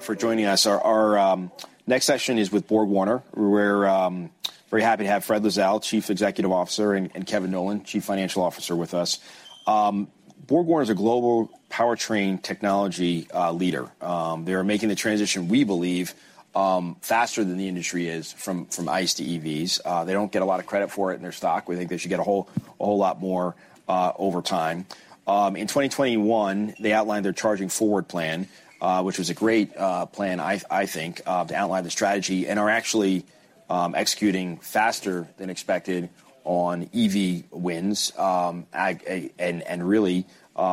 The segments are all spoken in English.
For joining us. Our next session is with BorgWarner. We're very happy to have Frédéric Lissalde, Chief Executive Officer; and Kevin Nowlan, Chief Financial Officer, with us. BorgWarner is a global powertrain technology leader. They're making the transition, we believe, faster than the industry is from ICE to EVs. They don't get a lot of credit for it in their stock. We think they should get a whole lot more over time. In 2021, they outlined their Charging Forward plan, which was a great plan, I think, to outline the strategy and are actually executing faster than expected on EV wins, and really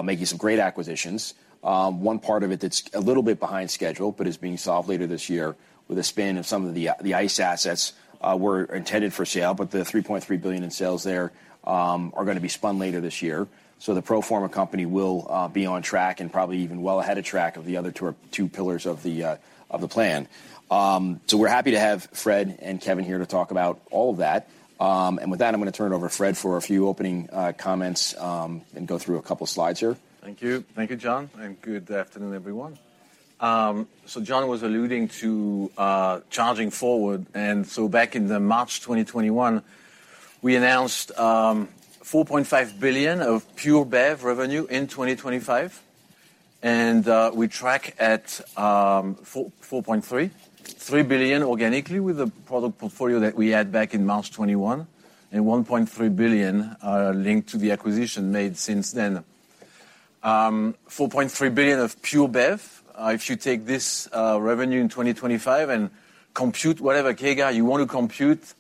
making some great acquisitions. One part of it that's a little bit behind schedule, but is being solved later this year with a spin of some of the ICE assets were intended for sale, but the $3.3 billion in sales there are gonna be spun later this year. The pro forma company will be on track and probably even well ahead of track of the other two pillars of the plan. We're happy to have Fred and Kevin here to talk about all that. With that, I'm gonna turn it over to Fred for a few opening comments and go through a couple slides here. Thank you. Thank you, John, and good afternoon, everyone. John was alluding to Charging Forward. Back in March 2021, we announced $4.5 billion of pure BEV revenue in 2025. We track at $4.3 billion organically with the product portfolio that we had back in March 2021, and $1.3 billion linked to the acquisition made since then. $4.3 billion of pure BEV, if you take this revenue in 2025 and compute whatever CAGR you want to compute,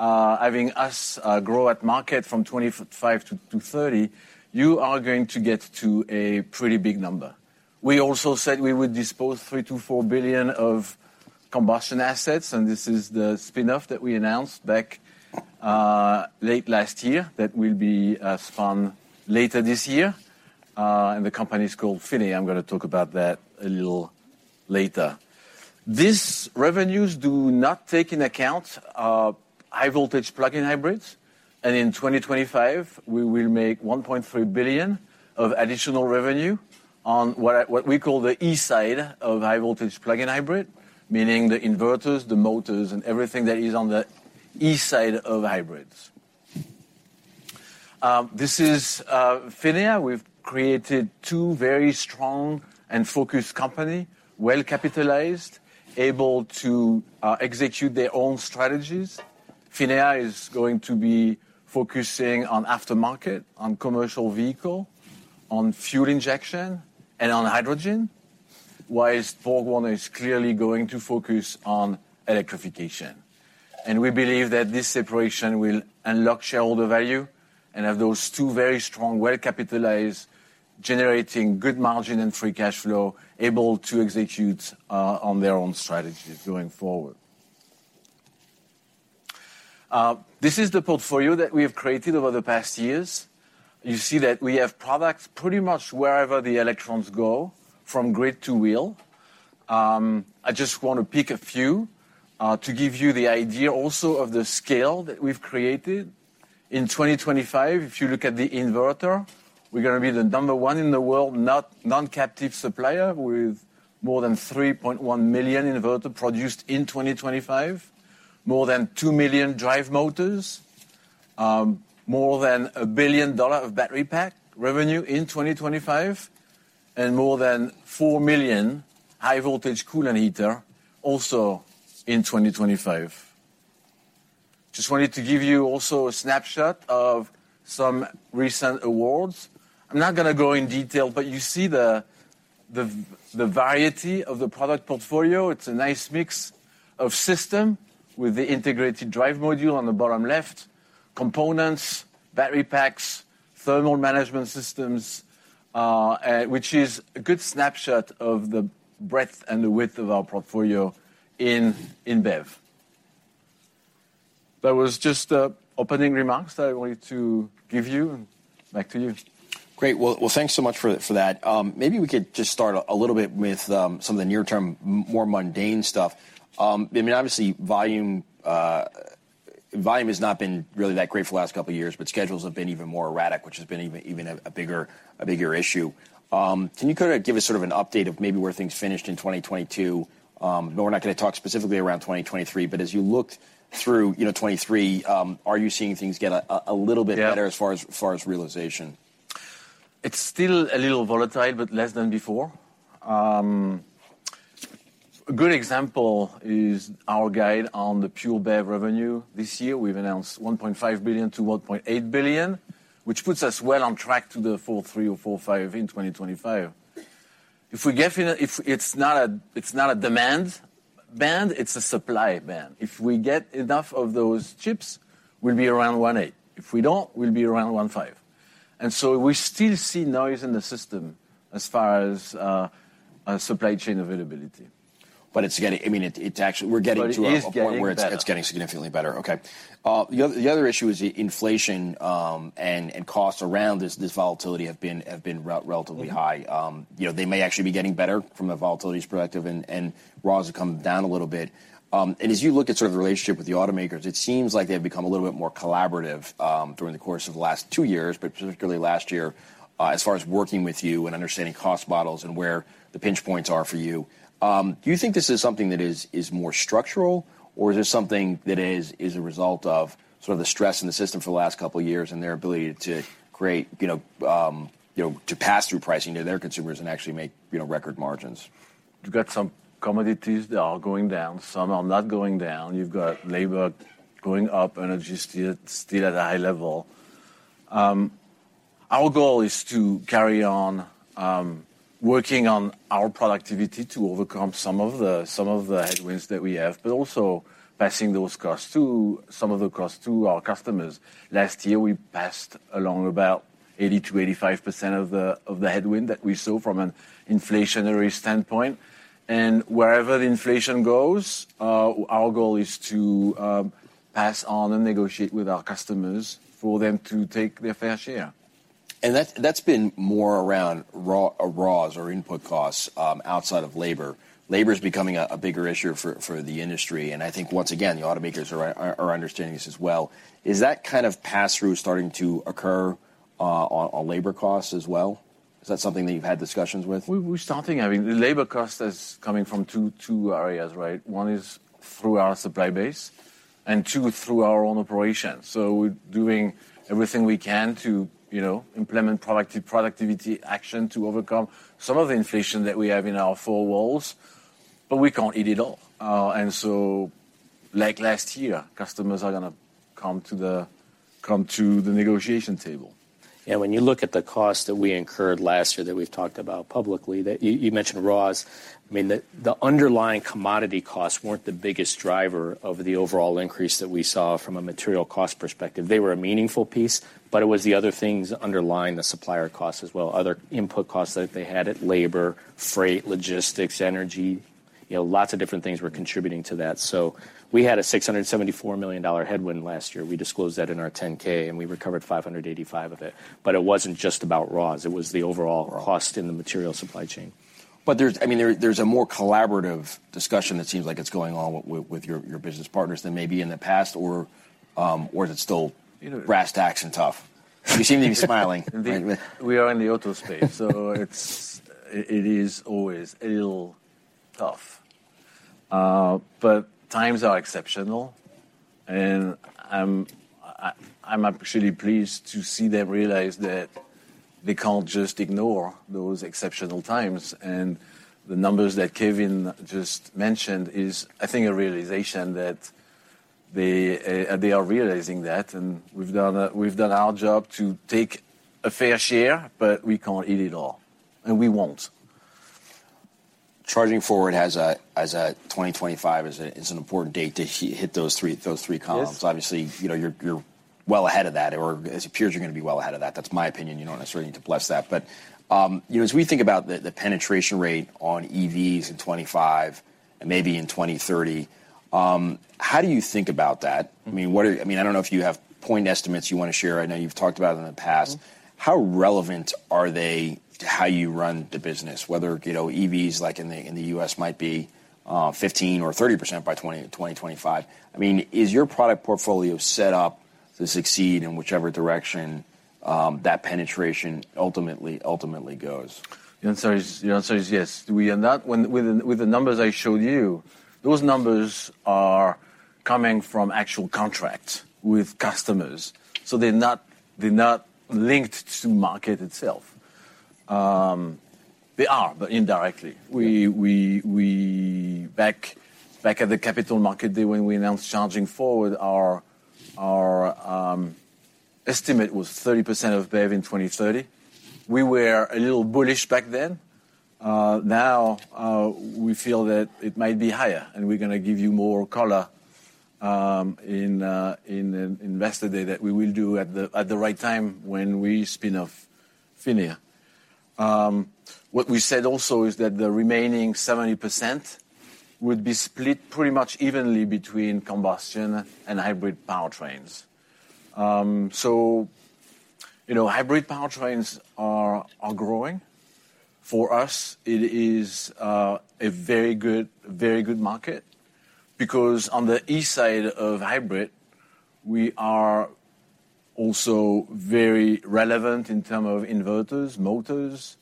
having us grow at market from 2025 to 2030, you are going to get to a pretty big number. We also said we would dispose $3 billion-$4 billion of combustion assets. This is the spin-off that we announced back late last year that will be spun later this year, and the company is called PHINIA. I'm gonna talk about that a little later. These revenues do not take into account high voltage plug-in hybrids, and in 2025, we will make $1.3 billion of additional revenue on what I, what we call the E side of high voltage plug-in hybrid, meaning the inverters, the motors, and everything that is on the E side of hybrids. This is PHINIA. We've created two very strong and focused company, well-capitalized, able to execute their own strategies. PHINIA is going to be focusing on aftermarket, on commercial vehicle, on fuel injection, and on hydrogen, whilst BorgWarner is clearly going to focus on electrification. We believe that this separation will unlock shareholder value and have those two very strong, well-capitalized, generating good margin and free cash flow, able to execute on their own strategies going forward. This is the portfolio that we have created over the past years. You see that we have products pretty much wherever the electrons go from grid to wheel. I just wanna pick a few to give you the idea also of the scale that we've created. In 2025, if you look at the inverter, we're gonna be the number one in the world non-captive supplier with more than 3.1 million inverter produced in 2025, more than 2 million drive motors, more than $1 billion of battery pack revenue in 2025, and more than 4 million high voltage coolant heater also in 2025. Just wanted to give you also a snapshot of some recent awards. I'm not gonna go in detail, but you see the variety of the product portfolio. It's a nice mix of system with the integrated drive module on the bottom left, components, battery packs, thermal management systems, which is a good snapshot of the breadth and the width of our portfolio in BEV. That was just the opening remarks that I wanted to give you. Back to you. Great. Well, thanks so much for that. Maybe we could just start a little bit with some of the near-term more mundane stuff. I mean, obviously volume has not been really that great for the last couple of years, but schedules have been even more erratic, which has been even a bigger issue. Can you kind of give us sort of an update of maybe where things finished in 2022? No, we're not gonna talk specifically around 2023, but as you looked through, you know, 2023, are you seeing things get a little bit. Yeah Better as far as realization? It's still a little volatile, but less than before. A good example is our guide on the pure BEV revenue this year. We've announced $1.5 billion-$1.8 billion, which puts us well on track to the $4.3 billion or $4.5 billion in 2025. If it's not a demand band, it's a supply band. If we get enough of those chips, we'll be around $1.8 billion. If we don't, we'll be around $1.5 billion. We still see noise in the system as far as supply chain availability. It's getting, I mean, it's actually, we're getting to a point. It is getting better. Where it's getting significantly better. Okay. The other issue is the inflation, and costs around this volatility have been relatively high. You know, they may actually be getting better from a volatility perspective, and raws are coming down a little bit. As you look at sort of the relationship with the automakers, it seems like they've become a little bit more collaborative, during the course of the last two years, but particularly last year, as far as working with you and understanding cost models and where the pinch points are for you. Do you think this is something that is more structural, or is this something that is a result of sort of the stress in the system for the last couple years and their ability to create, you know, to pass through pricing to their consumers and actually make, you know, record margins? You've got some commodities that are going down, some are not going down. You've got labor going up, energy still at a high level. Our goal is to carry on, working on our productivity to overcome some of the headwinds that we have, but also passing those costs to our customers. Last year, we passed along about 80% to 85% of the headwind that we saw from an inflationary standpoint. Wherever the inflation goes, our goal is to pass on and negotiate with our customers for them to take their fair share. That, that's been more around raws or input costs outside of labor. Labor's becoming a bigger issue for the industry, and I think once again, the automakers are understanding this as well. Is that kind of pass-through starting to occur on labor costs as well? Is that something that you've had discussions with? We're starting. I mean, the labor cost is coming from two areas, right? One is through our supply base, and two, through our own operations. We're doing everything we can to, you know, implement productivity action to overcome some of the inflation that we have in our four walls, but we can't eat it all. Like last year, customers are gonna come to the negotiation table. When you look at the cost that we incurred last year that we've talked about publicly, that. You mentioned raws. I mean, the underlying commodity costs weren't the biggest driver of the overall increase that we saw from a material cost perspective. They were a meaningful piece, but it was the other things underlying the supplier costs as well, other input costs that they had at labor, freight, logistics, energy. You know, lots of different things were contributing to that. We had a $674 million headwind last year. We disclosed that in our 10-K, and we recovered $585 of it. It wasn't just about raws, it was the overall cost in the material supply chain. I mean, there's a more collaborative discussion that seems like it's going on with your business partners than maybe in the past, or is it still brass tacks and tough? You seem to be smiling. We are in the auto space, it's always a little tough. Times are exceptional, and I'm actually pleased to see them realize that they can't just ignore those exceptional times. The numbers that Kevin just mentioned is, I think, a realization that they are realizing that, and we've done our job to take a fair share, but we can't eat it all, and we won't. Charging Forward as a 2025 is an important date to hit those three columns. Yes. Obviously, you know, you're well ahead of that, or it appears you're gonna be well ahead of that. That's my opinion. You don't necessarily need to bless that. You know, as we think about the penetration rate on EVs in 2025 and maybe in 2030, how do you think about that? I mean, I don't know if you have point estimates you wanna share. I know you've talked about it in the past. How relevant are they to how you run the business? Whether, you know, EVs, like in the, in the U.S. might be 15% or 30% by 20 and 2025. I mean, is your product portfolio set up to succeed in whichever direction that penetration ultimately goes? The answer is yes. We are not. With the numbers I showed you, those numbers are coming from actual contracts with customers, so they're not, they're not linked to market itself. They are, but indirectly. We. Back at the capital market day when we announced Charging Forward, our estimate was 30% of BEV in 2030. We were a little bullish back then. Now, we feel that it might be higher, and we're gonna give you more color in an investor day that we will do at the right time when we spin off PHINIA. What we said also is that the remaining 70% would be split pretty much evenly between combustion and hybrid powertrains. You know, hybrid powertrains are growing. For us, it is a very good market because on the E side of hybrid, we are also very relevant in terms of inverters, motors,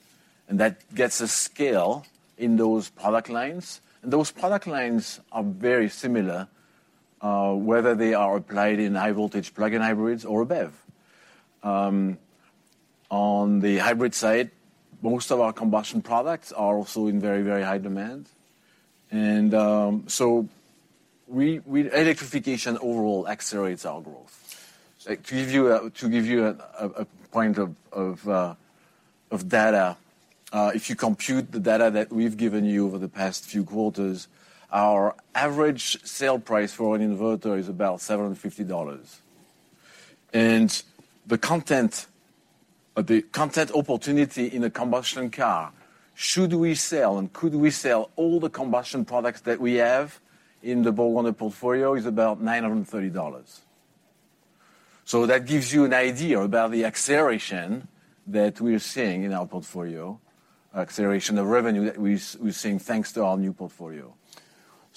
and that gets us scale in those product lines. Those product lines are very similar, whether they are applied in high-voltage plug-in hybrids or a BEV. On the hybrid side, most of our combustion products are also in very high demand. Electrification overall accelerates our growth. Like, to give you a point of data, if you compute the data that we've given you over the past few quarters, our average sale price for an inverter is about $750. The content opportunity in a combustion car, should we sell and could we sell all the combustion products that we have in the BorgWarner portfolio is about $930. That gives you an idea about the acceleration that we are seeing in our portfolio, acceleration of revenue that we're seeing thanks to our new portfolio.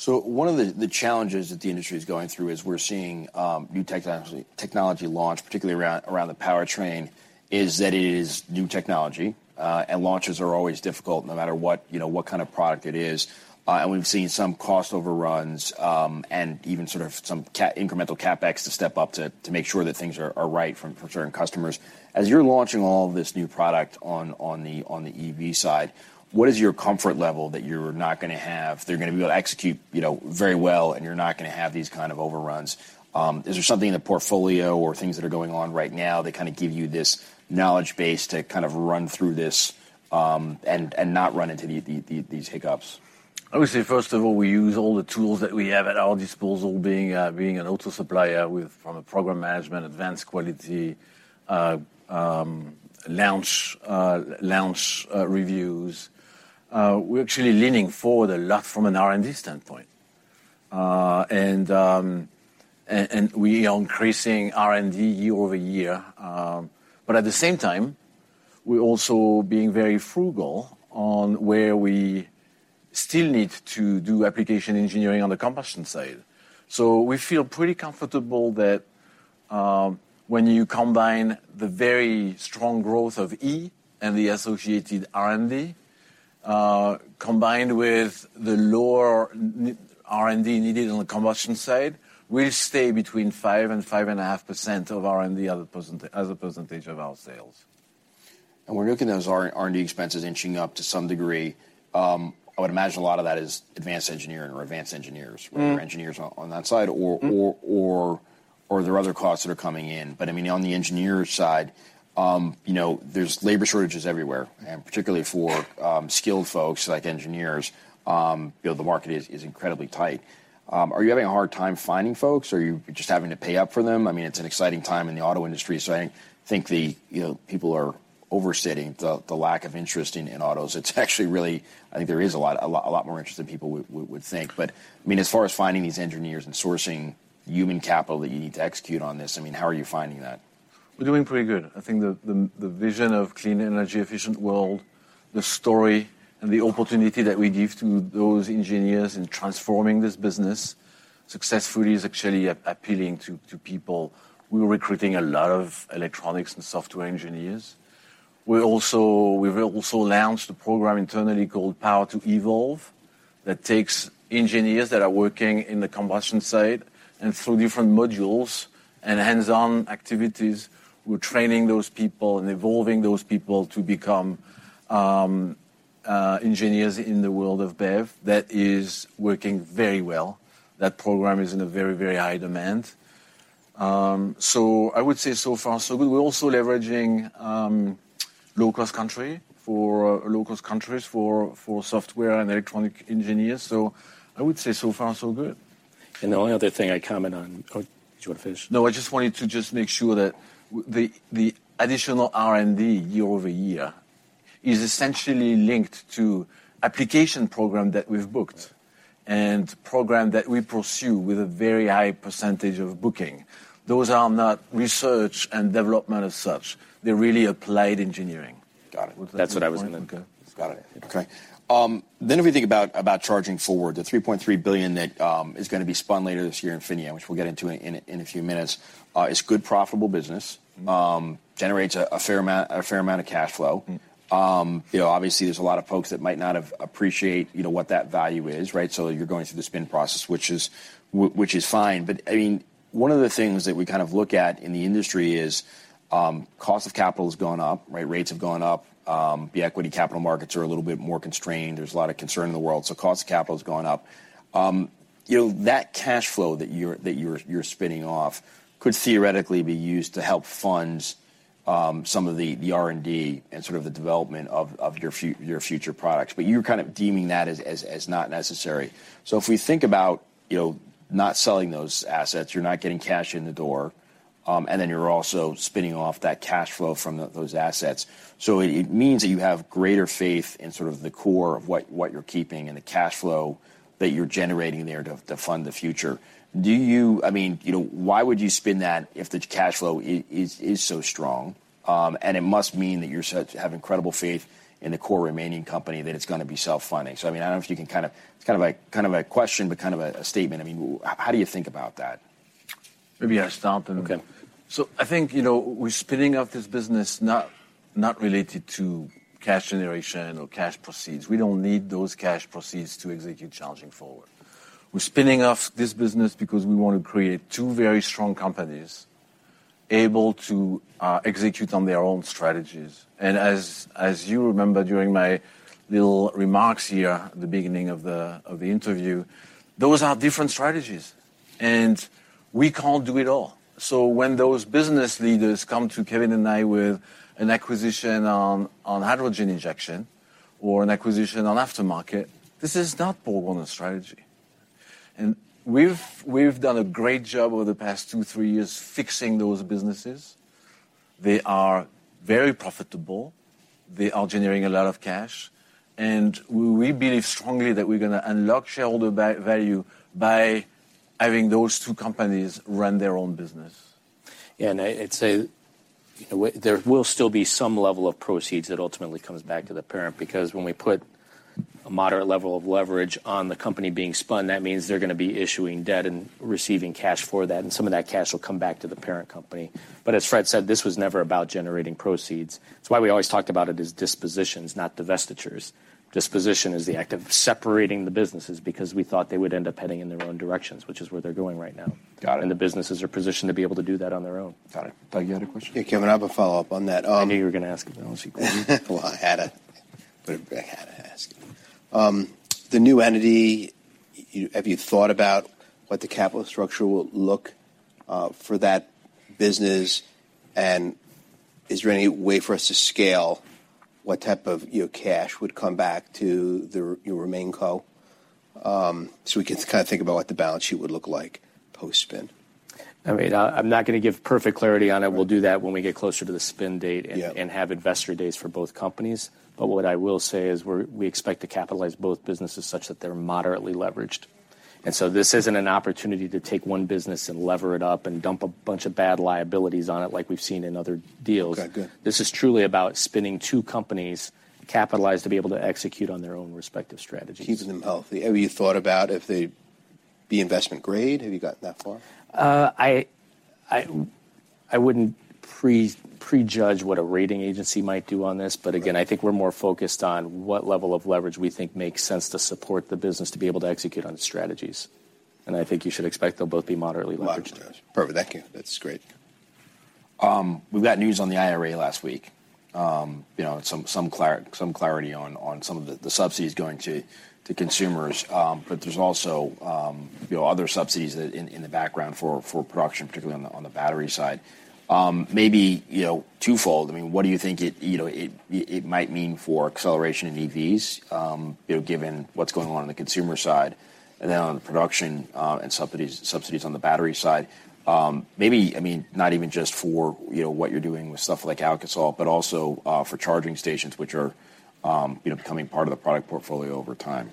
One of the challenges that the industry is going through is we're seeing new technology launch, particularly around the powertrain, is that it is new technology. And launches are always difficult no matter what, you know, what kind of product it is. And we've seen some cost overruns, and even sort of some incremental CapEx to step up to make sure that things are right from certain customers. As you're launching all of this new product on the EV side, what is your comfort level that you're not gonna have. They're gonna be able to execute, you know, very well, and you're not gonna have these kind of overruns? Is there something in the portfolio or things that are going on right now that kind of give you this knowledge base to kind of run through this, and not run into these hiccups? I would say, first of all, we use all the tools that we have at our disposal, being an auto supplier from a program management, advanced quality, launch reviews. We're actually leaning forward a lot from an R&D standpoint. We are increasing R&D year-over-year. At the same time, we're also being very frugal on where we still need to do application engineering on the combustion side. We feel pretty comfortable that when you combine the very strong growth of E and the associated R&D, combined with the lower R&D needed on the combustion side, we'll stay between 5% and 5.5% of R&D as a percentage of our sales. We're looking at those R&D expenses inching up to some degree. I would imagine a lot of that is advanced engineering or advanced engineers. Mm. Or engineers on that side. Mm. Are there other costs that are coming in? I mean, on the engineer side, you know, there's labor shortages everywhere, and particularly for skilled folks like engineers, you know, the market is incredibly tight. Are you having a hard time finding folks? Are you just having to pay up for them? I mean, it's an exciting time in the auto industry, I think the, you know, people are overstating the lack of interest in autos. It's actually, I think there is a lot more interest than people would think. I mean, as far as finding these engineers and sourcing human capital that you need to execute on this, I mean, how are you finding that? We're doing pretty good. I think the vision of clean energy efficient world, the story and the opportunity that we give to those engineers in transforming this business successfully is actually appealing to people. We're recruiting a lot of electronics and software engineers. We've also launched a program internally called Power to Evolve that takes engineers that are working in the combustion side, and through different modules and hands-on activities, we're training those people and evolving those people to become engineers in the world of BEV. That is working very well. That program is in a very, very high demand. I would say so far so good. We're also leveraging low-cost countries for software and electronic engineers. I would say so far so good. The only other thing I'd comment on. Oh, do you wanna finish? No, I just wanted to just make sure that the additional R&D year-over-year is essentially linked to application program that we've booked and program that we pursue with a very high percentage of booking. Those are not research and development as such. They're really applied engineering. Got it. That's what I was gonna. Okay. Got it. Okay. If you think about Charging Forward, the $3.3 billion net is gonna be spun later this year in PHINIA, which we'll get into in a few minutes, is good profitable business. Generates a fair amount of cash flow. You know, obviously there's a lot of folks that might not have appreciate, you know, what that value is, right? You're going through the spin process, which is fine. I mean, one of the things that we kind of look at in the industry is cost of capital has gone up, right? Rates have gone up. The equity capital markets are a little bit more constrained. There's a lot of concern in the world, so cost of capital has gone up. You know, that cash flow that you're spinning off could theoretically be used to help fund some of the R&D and sort of the development of your future products. You're kind of deeming that as not necessary. If we think about, you know, not selling those assets, you're not getting cash in the door, and then you're also spinning off that cash flow from those assets. It means that you have greater faith in sort of the core of what you're keeping and the cash flow that you're generating there to fund the future. I mean, you know, why would you spin that if the cash flow is so strong? It must mean that you have incredible faith in the core remaining company that it's gonna be self-funding. I mean, I don't know if you can. It's kind of a question, but kind of a statement. I mean, how do you think about that? Maybe I start. Okay. I think, you know, we're spinning off this business not related to cash generation or cash proceeds. We don't need those cash proceeds to execute Charging Forward. We're spinning off this business because we want to create two very strong companies able to execute on their own strategies. As you remember during my little remarks here at the beginning of the interview, those are different strategies, and we can't do it all. When those business leaders come to Kevin and I with an acquisition on hydrogen injection or an acquisition on aftermarket, this is not BorgWarner's strategy. We've done a great job over the past two, three years fixing those businesses. They are very profitable. They are generating a lot of cash. We believe strongly that we're gonna unlock shareholder value by having those two companies run their own business. Yeah. I'd say, you know, there will still be some level of proceeds that ultimately comes back to the parent, because when we put a moderate level of leverage on the company being spun, that means they're gonna be issuing debt and receiving cash for that, and some of that cash will come back to the parent company. As Fred said, this was never about generating proceeds. It's why we always talked about it as dispositions, not divestitures. Disposition is the act of separating the businesses because we thought they would end up heading in their own directions, which is where they're going right now. Got it. The businesses are positioned to be able to do that on their own. Got it. Doug, you had a question? Yeah, Kevin, I have a follow-up on that. I knew you were gonna ask about the balance sheet, Doug. I had to. I had to ask you, the new entity, have you thought about what the capital structure will look for that business and is there any way for us to scale what type of, you know, cash would come back to your remain co, so we can kind of think about what the balance sheet would look like post-spin? I mean, I'm not gonna give perfect clarity on it. We'll do that when we get closer to the spin date. Yeah And have investor days for both companies. What I will say is we expect to capitalize both businesses such that they're moderately leveraged. This isn't an opportunity to take one business and lever it up and dump a bunch of bad liabilities on it like we've seen in other deals. Okay, good. This is truly about spinning two companies capitalized to be able to execute on their own respective strategies. Keeping them healthy. Have you thought about if they'd be investment grade? Have you gotten that far? I wouldn't prejudge what a rating agency might do on this. Okay. Again, I think we're more focused on what level of leverage we think makes sense to support the business to be able to execute on its strategies, and I think you should expect they'll both be moderately leveraged. Moderately. Perfect. Thank you. That's great. We've got news on the IRA last week. You know, some clarity on some of the subsidies going to consumers. There's also, you know, other subsidies that in the background for production, particularly on the battery side. Maybe, you know, twofold, I mean, what do you think it, you know, it might mean for acceleration in EVs, you know, given what's going on in the consumer side and then on the production, and subsidies on the battery side? Maybe, I mean, not even just for, you know, what you're doing with stuff like AKASOL, but also for charging stations which are, you know, becoming part of the product portfolio over time.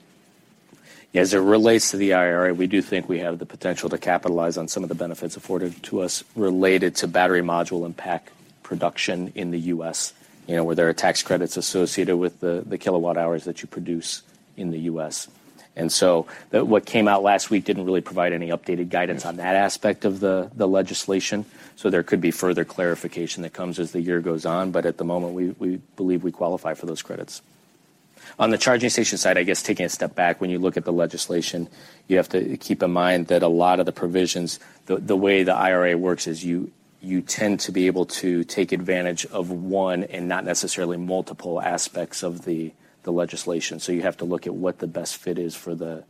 As it relates to the IRA, we do think we have the potential to capitalize on some of the benefits afforded to us related to battery module and pack production in the U.S., you know, where there are tax credits associated with the kilowatt hours that you produce in the U.S. What came out last week didn't really provide any updated guidance on that aspect of the legislation, there could be further clarification that comes as the year goes on. At the moment, we believe we qualify for those credits. On the charging station side, I guess taking a step back, when you look at the legislation, you have to keep in mind that a lot of the provisions, the way the IRA works is you tend to be able to take advantage of one and not necessarily multiple aspects of the legislation. You have to look at what the best fit is for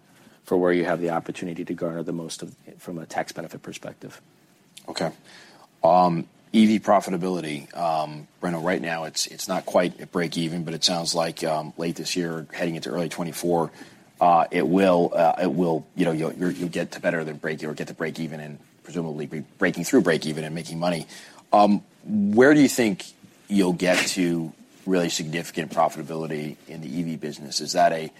where you have the opportunity to garner the most of from a tax benefit perspective. Okay. EV profitability, I know right now it's not quite at break even, but it sounds like late this year heading into early 2024, you'll get to better than break or get to break even and presumably be breaking through break even and making money. Where do you think you'll get to really significant profitability in the EV business? Is that a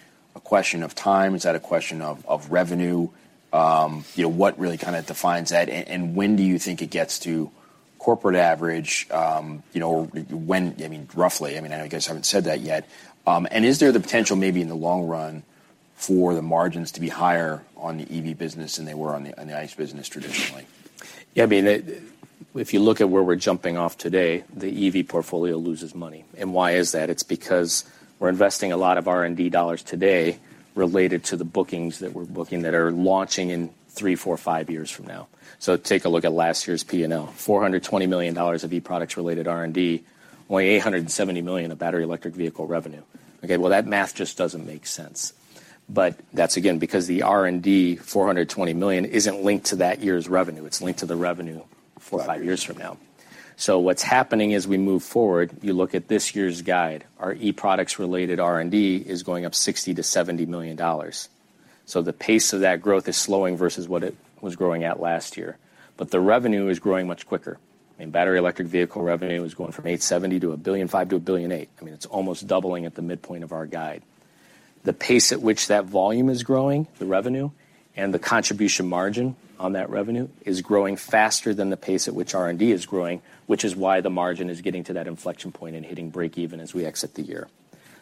question of time? Is that a question of revenue? What really kind of defines that? When do you think it gets to corporate average, when, roughly. I know you guys haven't said that yet. Is there the potential maybe in the long run for the margins to be higher on the EV business than they were on the, on the ICE business traditionally? Yeah, I mean, it, if you look at where we're jumping off today, the EV portfolio loses money. Why is that? It's because we're investing a lot of R&D dollars today related to the bookings that we're booking that are launching in three, four, five years from now. Take a look at last year's P&L. $420 million of e-products related R&D, only $870 million of battery electric vehicle revenue. Okay, well, that math just doesn't make sense. That's again, because the R&D, $420 million, isn't linked to that year's revenue, it's linked to the revenue four, five years from now. What's happening as we move forward, you look at this year's guide, our e-products related R&D is going up $60 million-$70 million. The pace of that growth is slowing versus what it was growing at last year. The revenue is growing much quicker. I mean, battery electric vehicle revenue is going from $870 million to $1.5 billion to $1.8 billion. I mean, it's almost doubling at the midpoint of our guide. The pace at which that volume is growing, the revenue, and the contribution margin on that revenue is growing faster than the pace at which R&D is growing, which is why the margin is getting to that inflection point and hitting break even as we exit the year.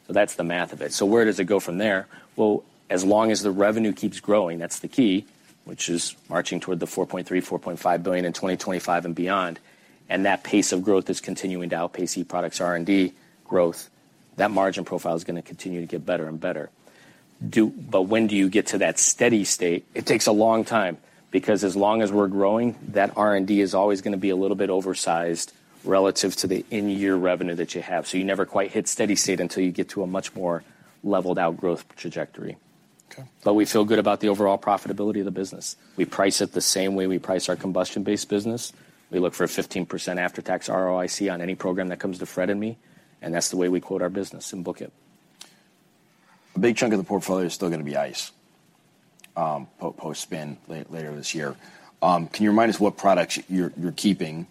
That's the math of it. Where does it go from there? Well, as long as the revenue keeps growing, that's the key, which is marching toward the $4.3 billion-$4.5 billion in 2025 and beyond. That pace of growth is continuing to outpace e-products R&D growth, that margin profile is going to continue to get better and better. When do you get to that steady state? It takes a long time because as long as we're growing, that R&D is always going to be a little bit oversized relative to the in-year revenue that you have. You never quite hit steady state until you get to a much more leveled out growth trajectory. Okay. We feel good about the overall profitability of the business. We price it the same way we price our combustion-based business. We look for a 15% after-tax ROIC on any program that comes to Fred and me, and that's the way we quote our business and book it. A big chunk of the portfolio is still gonna be ICE, post-spin later this year. Can you remind us what products you're keeping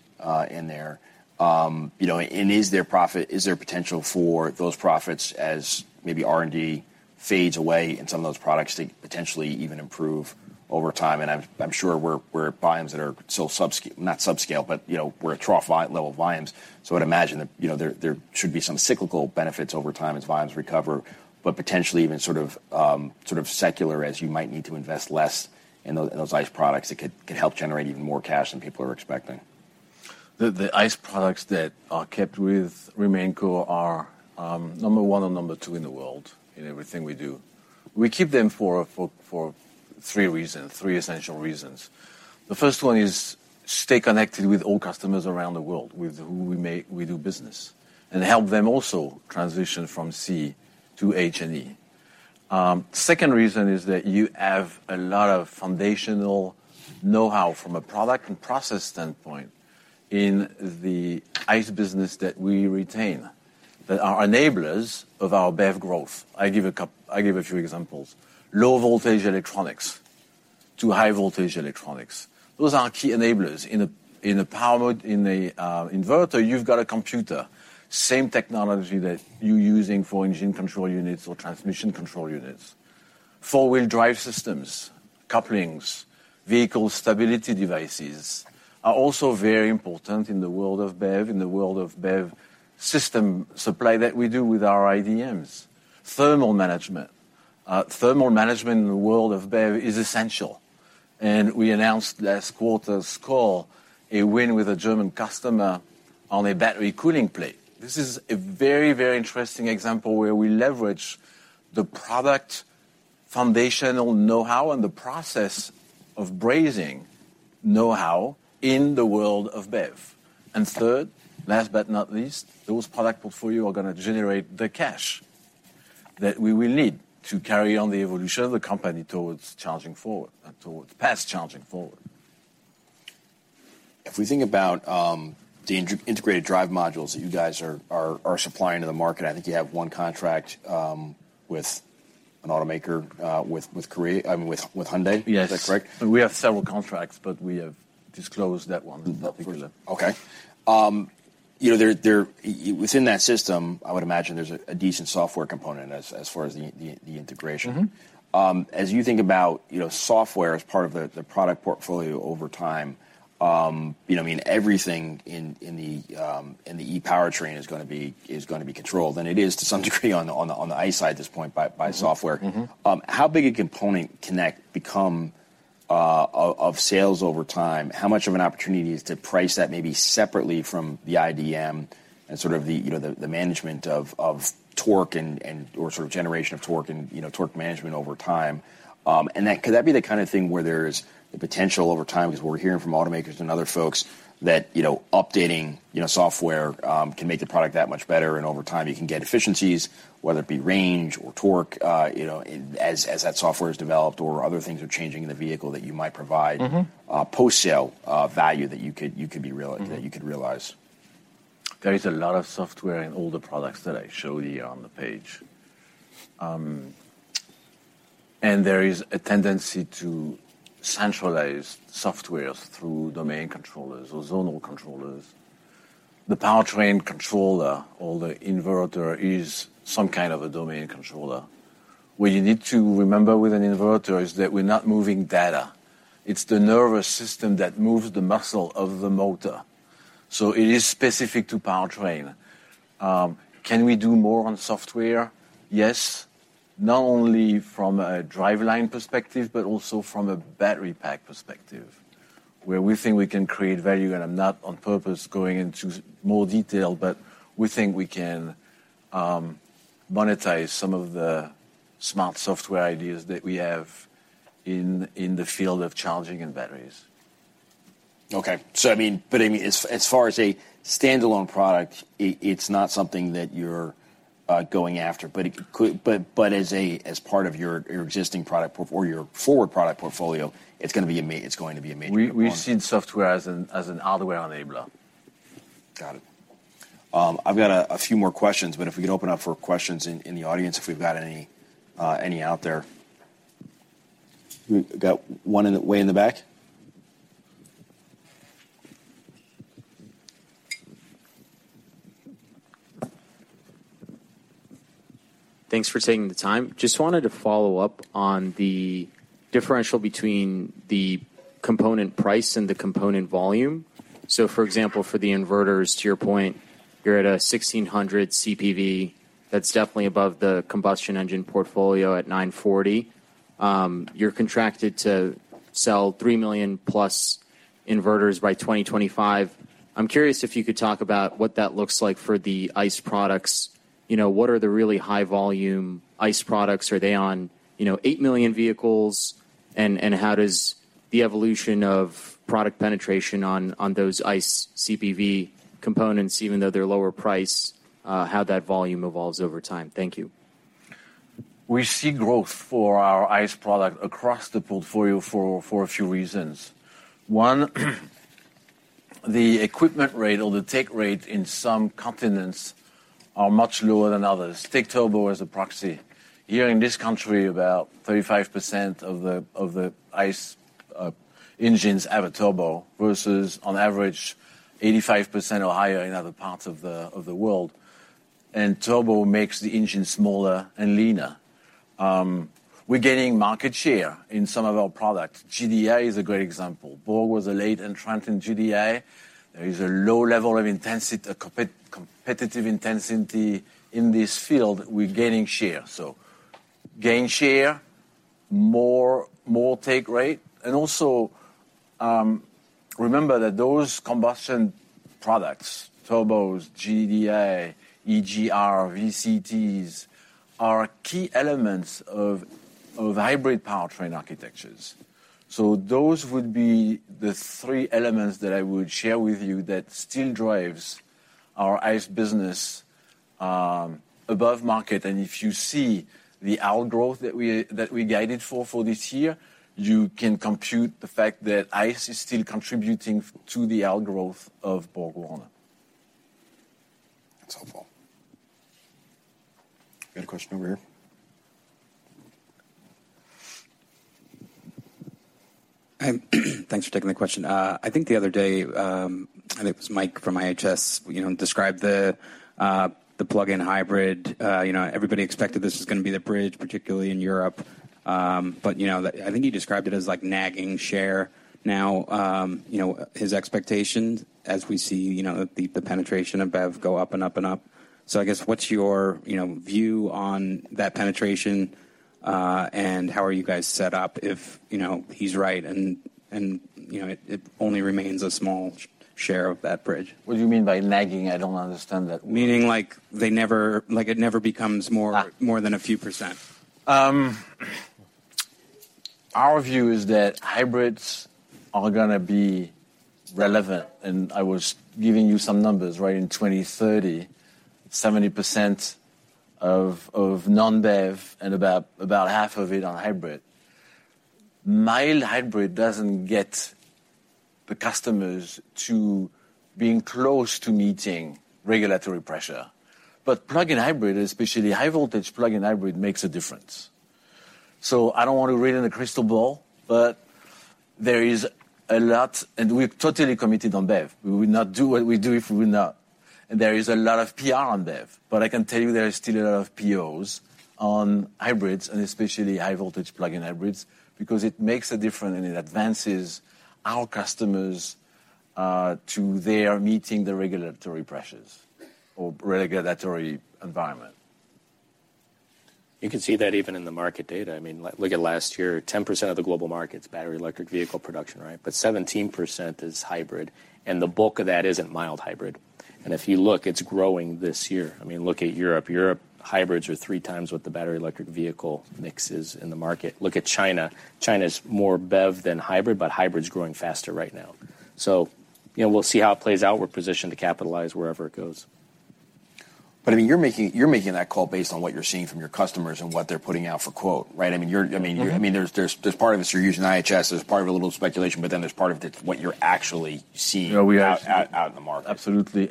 in there? You know, is there profit? Is there potential for those profits as maybe R&D fades away in some of those products to potentially even improve over time? I'm sure we're volumes that are still not subscale, but, you know, we're at trough level volumes. I'd imagine that, you know, there should be some cyclical benefits over time as volumes recover, but potentially even sort of secular as you might need to invest less in those ICE products that could help generate even more cash than people are expecting. The ICE products that are kept with Remanco are, number one or number two in the world in everything we do. We keep them for three reasons, three essential reasons. The first one is stay connected with all customers around the world with who we do business, and help them also transition from C to H&E. Second reason is that you have a lot of foundational know-how from a product and process standpoint in the ICE business that we retain that are enablers of our BEV growth. I give a few examples. Low voltage electronics to high voltage electronics, those are key enablers. In a inverter, you've got a computer, same technology that you're using for engine control units or transmission control units. Four-wheel drive systems, couplings, vehicle stability devices are also very important in the world of BEV, in the world of BEV system supply that we do with our IDMs. Thermal management. Thermal management in the world of BEV is essential, and we announced last quarter's call a win with a German customer on a battery cooling plate. This is a very, very interesting example where we leverage the product foundational know-how and the process of brazing know-how in the world of BEV. Third, last but not least, those product portfolio are gonna generate the cash that we will need to carry on the evolution of the company towards Charging Forward and towards post-Charging Forward. If we think about the integrated drive modules that you guys are supplying to the market, I think you have one contract with an automaker, with Korea, I mean, with Hyundai. Yes. Is that correct? We have several contracts, but we have disclosed that one in particular. Okay. You know, there within that system, I would imagine there's a decent software component as far as the integration. Mm-hmm. As you think about, you know, software as part of the product portfolio over time, you know, I mean, everything in the e-powertrain is gonna be controlled, and it is to some degree on the ICE side at this point by software. Mm-hmm. Mm-hmm. How big a component can that become of sales over time? How much of an opportunity is to price that maybe separately from the IDM and sort of the, you know, the management of torque and, or sort of generation of torque and, you know, torque management over time? Could that be the kind of thing where there's the potential over time, 'cause we're hearing from automakers and other folks that, you know, updating, you know, software can make the product that much better and over time you can get efficiencies, whether it be range or torque, you know, as that software is developed or other things are changing in the vehicle that you might provide. Mm-hmm Post-sale, value that you could be realized, Mm-hmm That you could realize. There is a lot of software in all the products that I showed you on the page. There is a tendency to centralize softwares through domain controllers or zonal controllers. The powertrain controller or the inverter is some kind of a domain controller. What you need to remember with an inverter is that we're not moving data. It's the nervous system that moves the muscle of the motor. It is specific to powertrain. Can we do more on software? Yes, not only from a driveline perspective, but also from a battery pack perspective, where we think we can create value. I'm not on purpose going into more detail, but we think we can monetize some of the smart software ideas that we have in the field of charging and batteries. Okay. I mean, but, I mean, as far as a standalone product, it's not something that you're going after, but it could, but as a, as part of your existing product port- or your forward product portfolio, it's going to be a major component. We see software as an hardware enabler. Got it. I've got a few more questions, but if we could open up for questions in the audience, if we've got any out there. We've got one in the way in the back. Thanks for taking the time. Just wanted to follow up on the differential between the component price and the component volume. For example, for the inverters, to your point, you're at a $1,600 CPV. That's definitely above the combustion engine portfolio at $940. You're contracted to sell 3 million+ inverters by 2025. I'm curious if you could talk about what that looks like for the ICE products. You know, what are the really high volume ICE products? Are they on, you know, eight million vehicles? How does the evolution of product penetration on those ICE CPV components, even though they're lower price, how that volume evolves over time? Thank you. We see growth for our ICE product across the portfolio for a few reasons. One. The equipment rate or the take rate in some continents are much lower than others. Take turbo as a proxy. Here in this country, about 35% of the ICE engines have a turbo versus on average 85% or higher in other parts of the world. Turbo makes the engine smaller and leaner. We're gaining market share in some of our products. GDI is a great example. BorgWarner is a late entrant in GDI. There is a low level of intensity, competitive intensity in this field. We're gaining share. Gain share, more take rate, and also, remember that those combustion products, turbos, GDA, EGR, VCTs, are key elements of hybrid powertrain architectures. Those would be the three elements that I would share with you that still drives our ICE business, above market. If you see the outgrowth that we guided for this year, you can compute the fact that ICE is still contributing to the outgrowth of BorgWarner. That's helpful. Got a question over here. Thanks for taking the question. I think the other day, I think it was Mike from IHS, you know, described the plug-in hybrid. You know, everybody expected this was gonna be the bridge, particularly in Europe. But, you know, the. I think he described it as, like, nagging share now. You know, his expectations as we see, you know, the penetration of BEV go up and up and up. I guess what's your, you know, view on that penetration, and how are you guys set up if, you know, he's right and, you know, it only remains a small share of that bridge? What do you mean by nagging? I don't understand that word. Meaning like they never, like it never becomes more- Ah. More than a few percent. Our view is that hybrids are gonna be relevant, and I was giving you some numbers, right? In 2030, 70% of non-BEV and about half of it on hybrid. Mild hybrid doesn't get the customers to being close to meeting regulatory pressure. Plug-in hybrid, especially high voltage plug-in hybrid, makes a difference. I don't want to read in a crystal ball, but there is a lot. We're totally committed on BEV. We would not do what we do if we would not. There is a lot of PR on BEV, but I can tell you there is still a lot of POs on hybrids and especially high voltage plug-in hybrids because it makes a difference and it advances our customers to their meeting the regulatory pressures or regulatory environment. You can see that even in the market data. I mean, look at last year, 10% of the global market's battery electric vehicle production, right? 17% is hybrid, and the bulk of that isn't mild hybrid. If you look, it's growing this year. I mean, look at Europe. Europe, hybrids are 3x what the battery electric vehicle mix is in the market. Look at China. China's more BEV than hybrid, Hybrid's growing faster right now. You know, we'll see how it plays out. We're positioned to capitalize wherever it goes. I mean, you're making that call based on what you're seeing from your customers and what they're putting out for quote, right? I mean, you're. Mm-hmm. I mean, there's part of this you're using IHS, there's part of it a little speculation, but then there's part of it what you're actually seeing. No. Out in the market. Absolutely.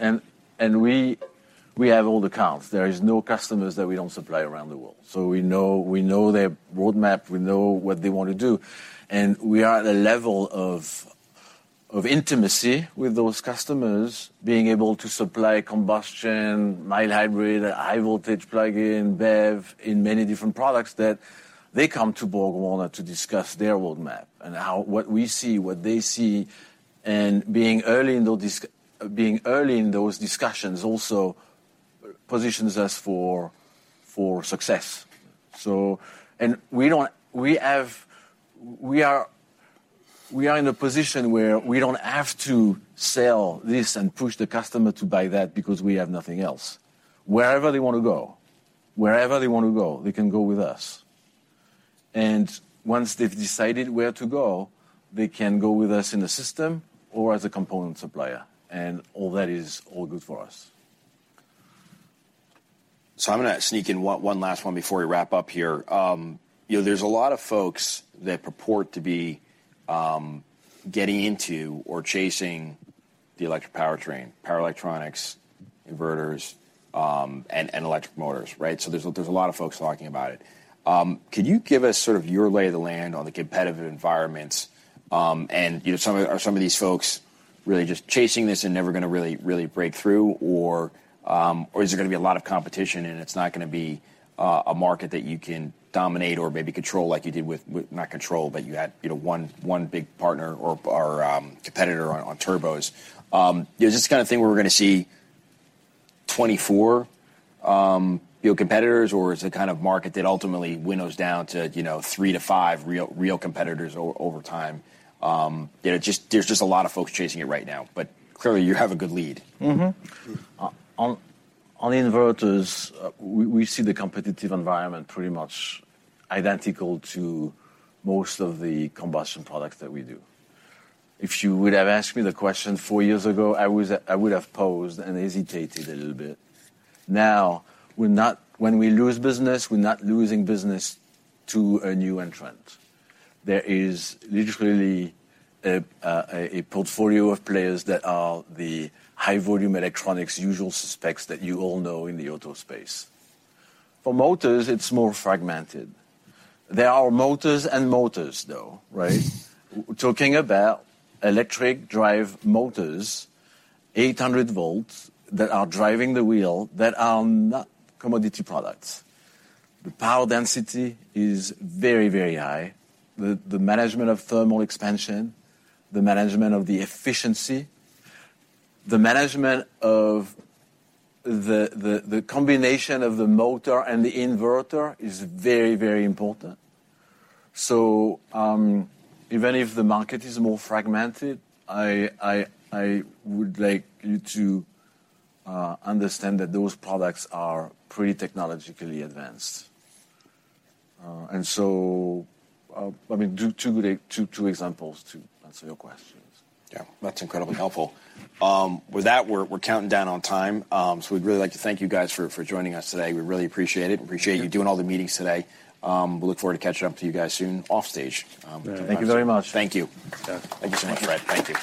We have all the accounts. There is no customers that we don't supply around the world. We know their roadmap, we know what they want to do, and we are at a level of intimacy with those customers being able to supply combustion, mild hybrid, high voltage plug-in, BEV in many different products that they come to BorgWarner to discuss their roadmap and how what we see, what they see, and being early in those discussions also positions us for success. We are in a position where we don't have to sell this and push the customer to buy that because we have nothing else. Wherever they wanna go, they can go with us. Once they've decided where to go, they can go with us in the system or as a component supplier. All that is all good for us. I'm going to sneak in one last one before we wrap up here. You know, there's a lot of folks that purport to be getting into or chasing the electric powertrain, power electronics, inverters, and electric motors, right? There's a lot of folks talking about it. Could you give us sort of your lay of the land on the competitive environments? You know, are some of these folks really just chasing this and never going to really break through? Is there going to be a lot of competition and it's not going to be a market that you can dominate or maybe control like you did with? Not control, but you had, you know, one big partner or competitor on turbos. Is this the kind of thing where we're gonna see 24, you know, competitors, or is it the kind of market that ultimately winnows down to, you know, three to five real competitors over time? You know, just, there's just a lot of folks chasing it right now, but clearly you have a good lead. On the inverters, we see the competitive environment pretty much identical to most of the combustion products that we do. If you would have asked me the question four years ago, I would have paused and hesitated a little bit. When we lose business, we're not losing business to a new entrant. There is literally a portfolio of players that are the high volume electronics usual suspects that you all know in the auto space. Motors, it's more fragmented. There are motors and motors, though, right? We're talking about electric drive motors, 800 V, that are driving the wheel that are not commodity products. The power density is very, very high. The management of thermal expansion, the management of the efficiency, the management of the combination of the motor and the inverter is very, very important. Even if the market is more fragmented, I would like you to understand that those products are pretty technologically advanced. I mean, two examples to answer your questions. Yeah. That's incredibly helpful. With that, we're counting down on time, so we'd really like to thank you guys for joining us today. We really appreciate it and appreciate you doing all the meetings today. We look forward to catching up to you guys soon off stage. Thank you very much. Thank you. Yeah. Thank you so much. Thank you.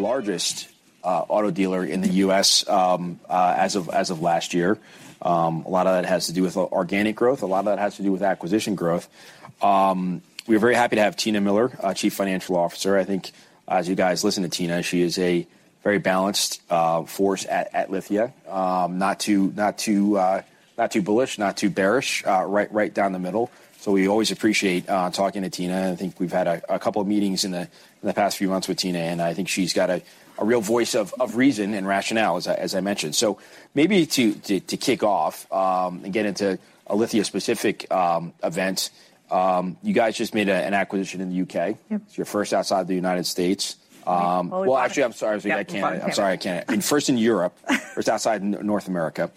Largest auto dealer in the U.S. as of last year. A lot of that has to do with organic growth. A lot of that has to do with acquisition growth. We're very happy to have Tina Miller, our Chief Financial Officer. I think as you guys listen to Tina, she is a very balanced force at Lithia. Not too bullish, not too bearish, right down the middle. We always appreciate talking to Tina, and I think we've had a couple meetings in the past few months with Tina, and I think she's got a real voice of reason and rationale, as I mentioned. Maybe to kick off, and get into a Lithia-specific event, you guys just made an acquisition in the U.K. Yep. It's your first outside the United States. Always was. Well, actually, I'm sorry. I was thinking Canada. Yep, Canada. I'm sorry, Canada. I mean, first in Europe. First outside North America,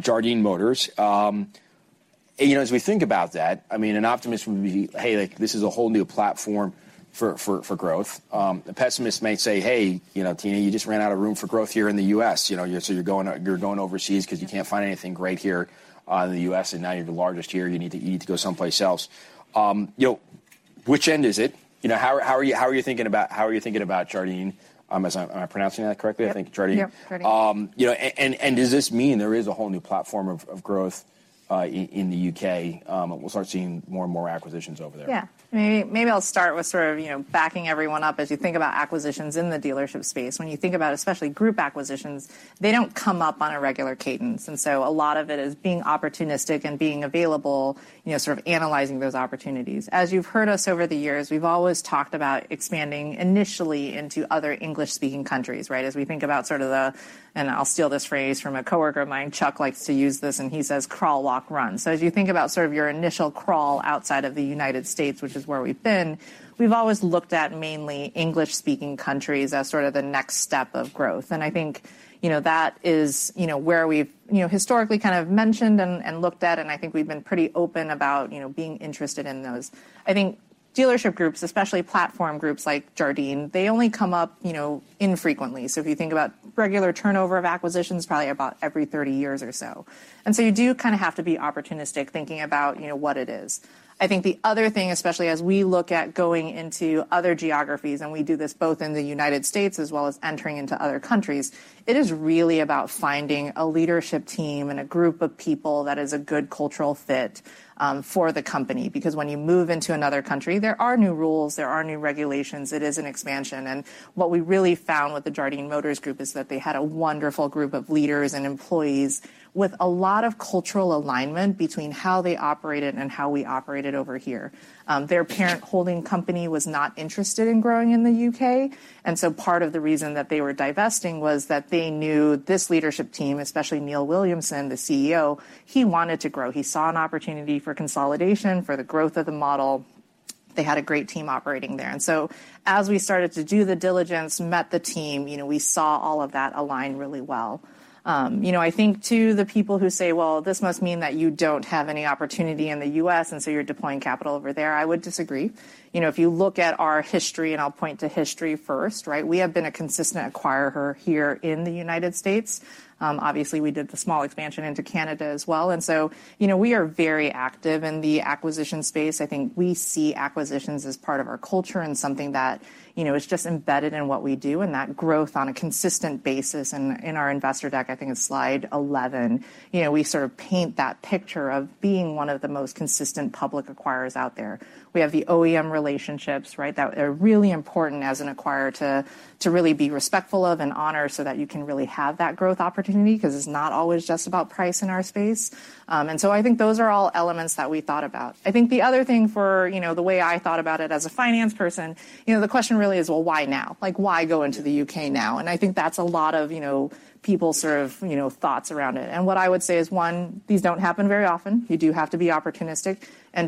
Jardine Motors. You know, as we think about that, I mean, an optimist would be, "Hey, like, this is a whole new platform for growth." A pessimist may say, "Hey, you know, Tina, you just ran out of room for growth here in the US, you know, you're going overseas because you can't find anything great here in the US, and now you're the largest here. You need to go someplace else." You know, which end is it? You know, how are you thinking about Jardine? Am I pronouncing that correctly? Yep. I think Jardine. Yep, Jardine. You know, does this mean there is a whole new platform of growth in the U.K., and we'll start seeing more and more acquisitions over there? Yeah. Maybe I'll start with sort of, you know, backing everyone up. As you think about acquisitions in the dealership space, when you think about especially group acquisitions, they don't come up on a regular cadence, and so a lot of it is being opportunistic and being available, you know, sort of analyzing those opportunities. As you've heard us over the years, we've always talked about expanding initially into other English-speaking countries, right? I'll steal this phrase from a coworker of mine. Chuck likes to use this, and he says, "Crawl, walk, run." As you think about sort of your initial crawl outside of the United States, which is where we've been, we've always looked at mainly English-speaking countries as sort of the next step of growth. I think, you know, that is, you know, where we've, you know, historically kind of mentioned and looked at, and I think we've been pretty open about, you know, being interested in those. I think dealership groups, especially platform groups like Jardine, they only come up, you know, infrequently. If you think about regular turnover of acquisitions, probably about every 30 years or so. You do kinda have to be opportunistic, thinking about, you know, what it is. I think the other thing, especially as we look at going into other geographies, and we do this both in the United States as well as entering into other countries, it is really about finding a leadership team and a group of people that is a good cultural fit for the company. Because when you move into another country, there are new rules, there are new regulations. It is an expansion. What we really found with the Jardine Motors Group is that they had a wonderful group of leaders and employees with a lot of cultural alignment between how they operated and how we operated over here. Their parent holding company was not interested in growing in the U.K. Part of the reason that they were divesting was that they knew this leadership team, especially Neil Williamson, the CEO, he wanted to grow. He saw an opportunity for consolidation, for the growth of the model. They had a great team operating there. As we started to do the diligence, met the team, you know, we saw all of that align really well. You know, I think, too, the people who say, "Well, this must mean that you don't have any opportunity in the U.S., and so you're deploying capital over there," I would disagree. You know, if you look at our history, and I'll point to history first, right? We have been a consistent acquirer here in the United States. Obviously we did the small expansion into Canada as well. You know, we are very active in the acquisition space. I think we see acquisitions as part of our culture and something that. You know, it's just embedded in what we do, and that growth on a consistent basis in our investor deck, I think it's slide 11. You know, we sort of paint that picture of being one of the most consistent public acquirers out there. We have the OEM relationships, right, that are really important as an acquirer to really be respectful of and honor so that you can really have that growth opportunity, 'cause it's not always just about price in our space. I think those are all elements that we thought about. I think the other thing for, you know, the way I thought about it as a finance person, you know, the question really is, "Well, why now?" Like, why go into the U.K. now? I think that's a lot of, you know, people sort of, you know, thoughts around it. What I would say is, one, these don't happen very often. You do have to be opportunistic.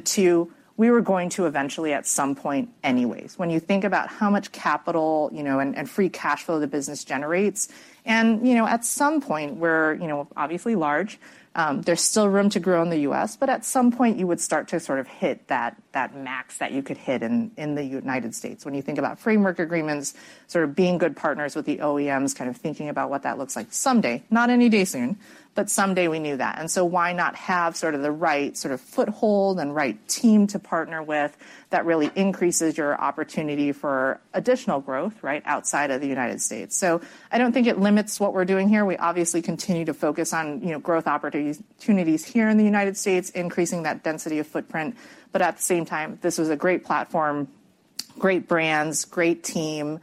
Two, we were going to eventually at some point anyways. When you think about how much capital, you know, and free cash flow the business generates. You know, at some point we're, you know, obviously large. There's still room to grow in the U.S., but at some point you would start to sort of hit that max that you could hit in the United States when you think about framework agreements, sort of being good partners with the OEMs, kind of thinking about what that looks like someday. Not any day soon, but someday we knew that. Why not have sort of the right sort of foothold and right team to partner with that really increases your opportunity for additional growth, right, outside of the United States. I don't think it limits what we're doing here. We obviously continue to focus on, you know, growth opportunities here in the United States, increasing that density of footprint. At the same time, this was a great platform, great brands, great team,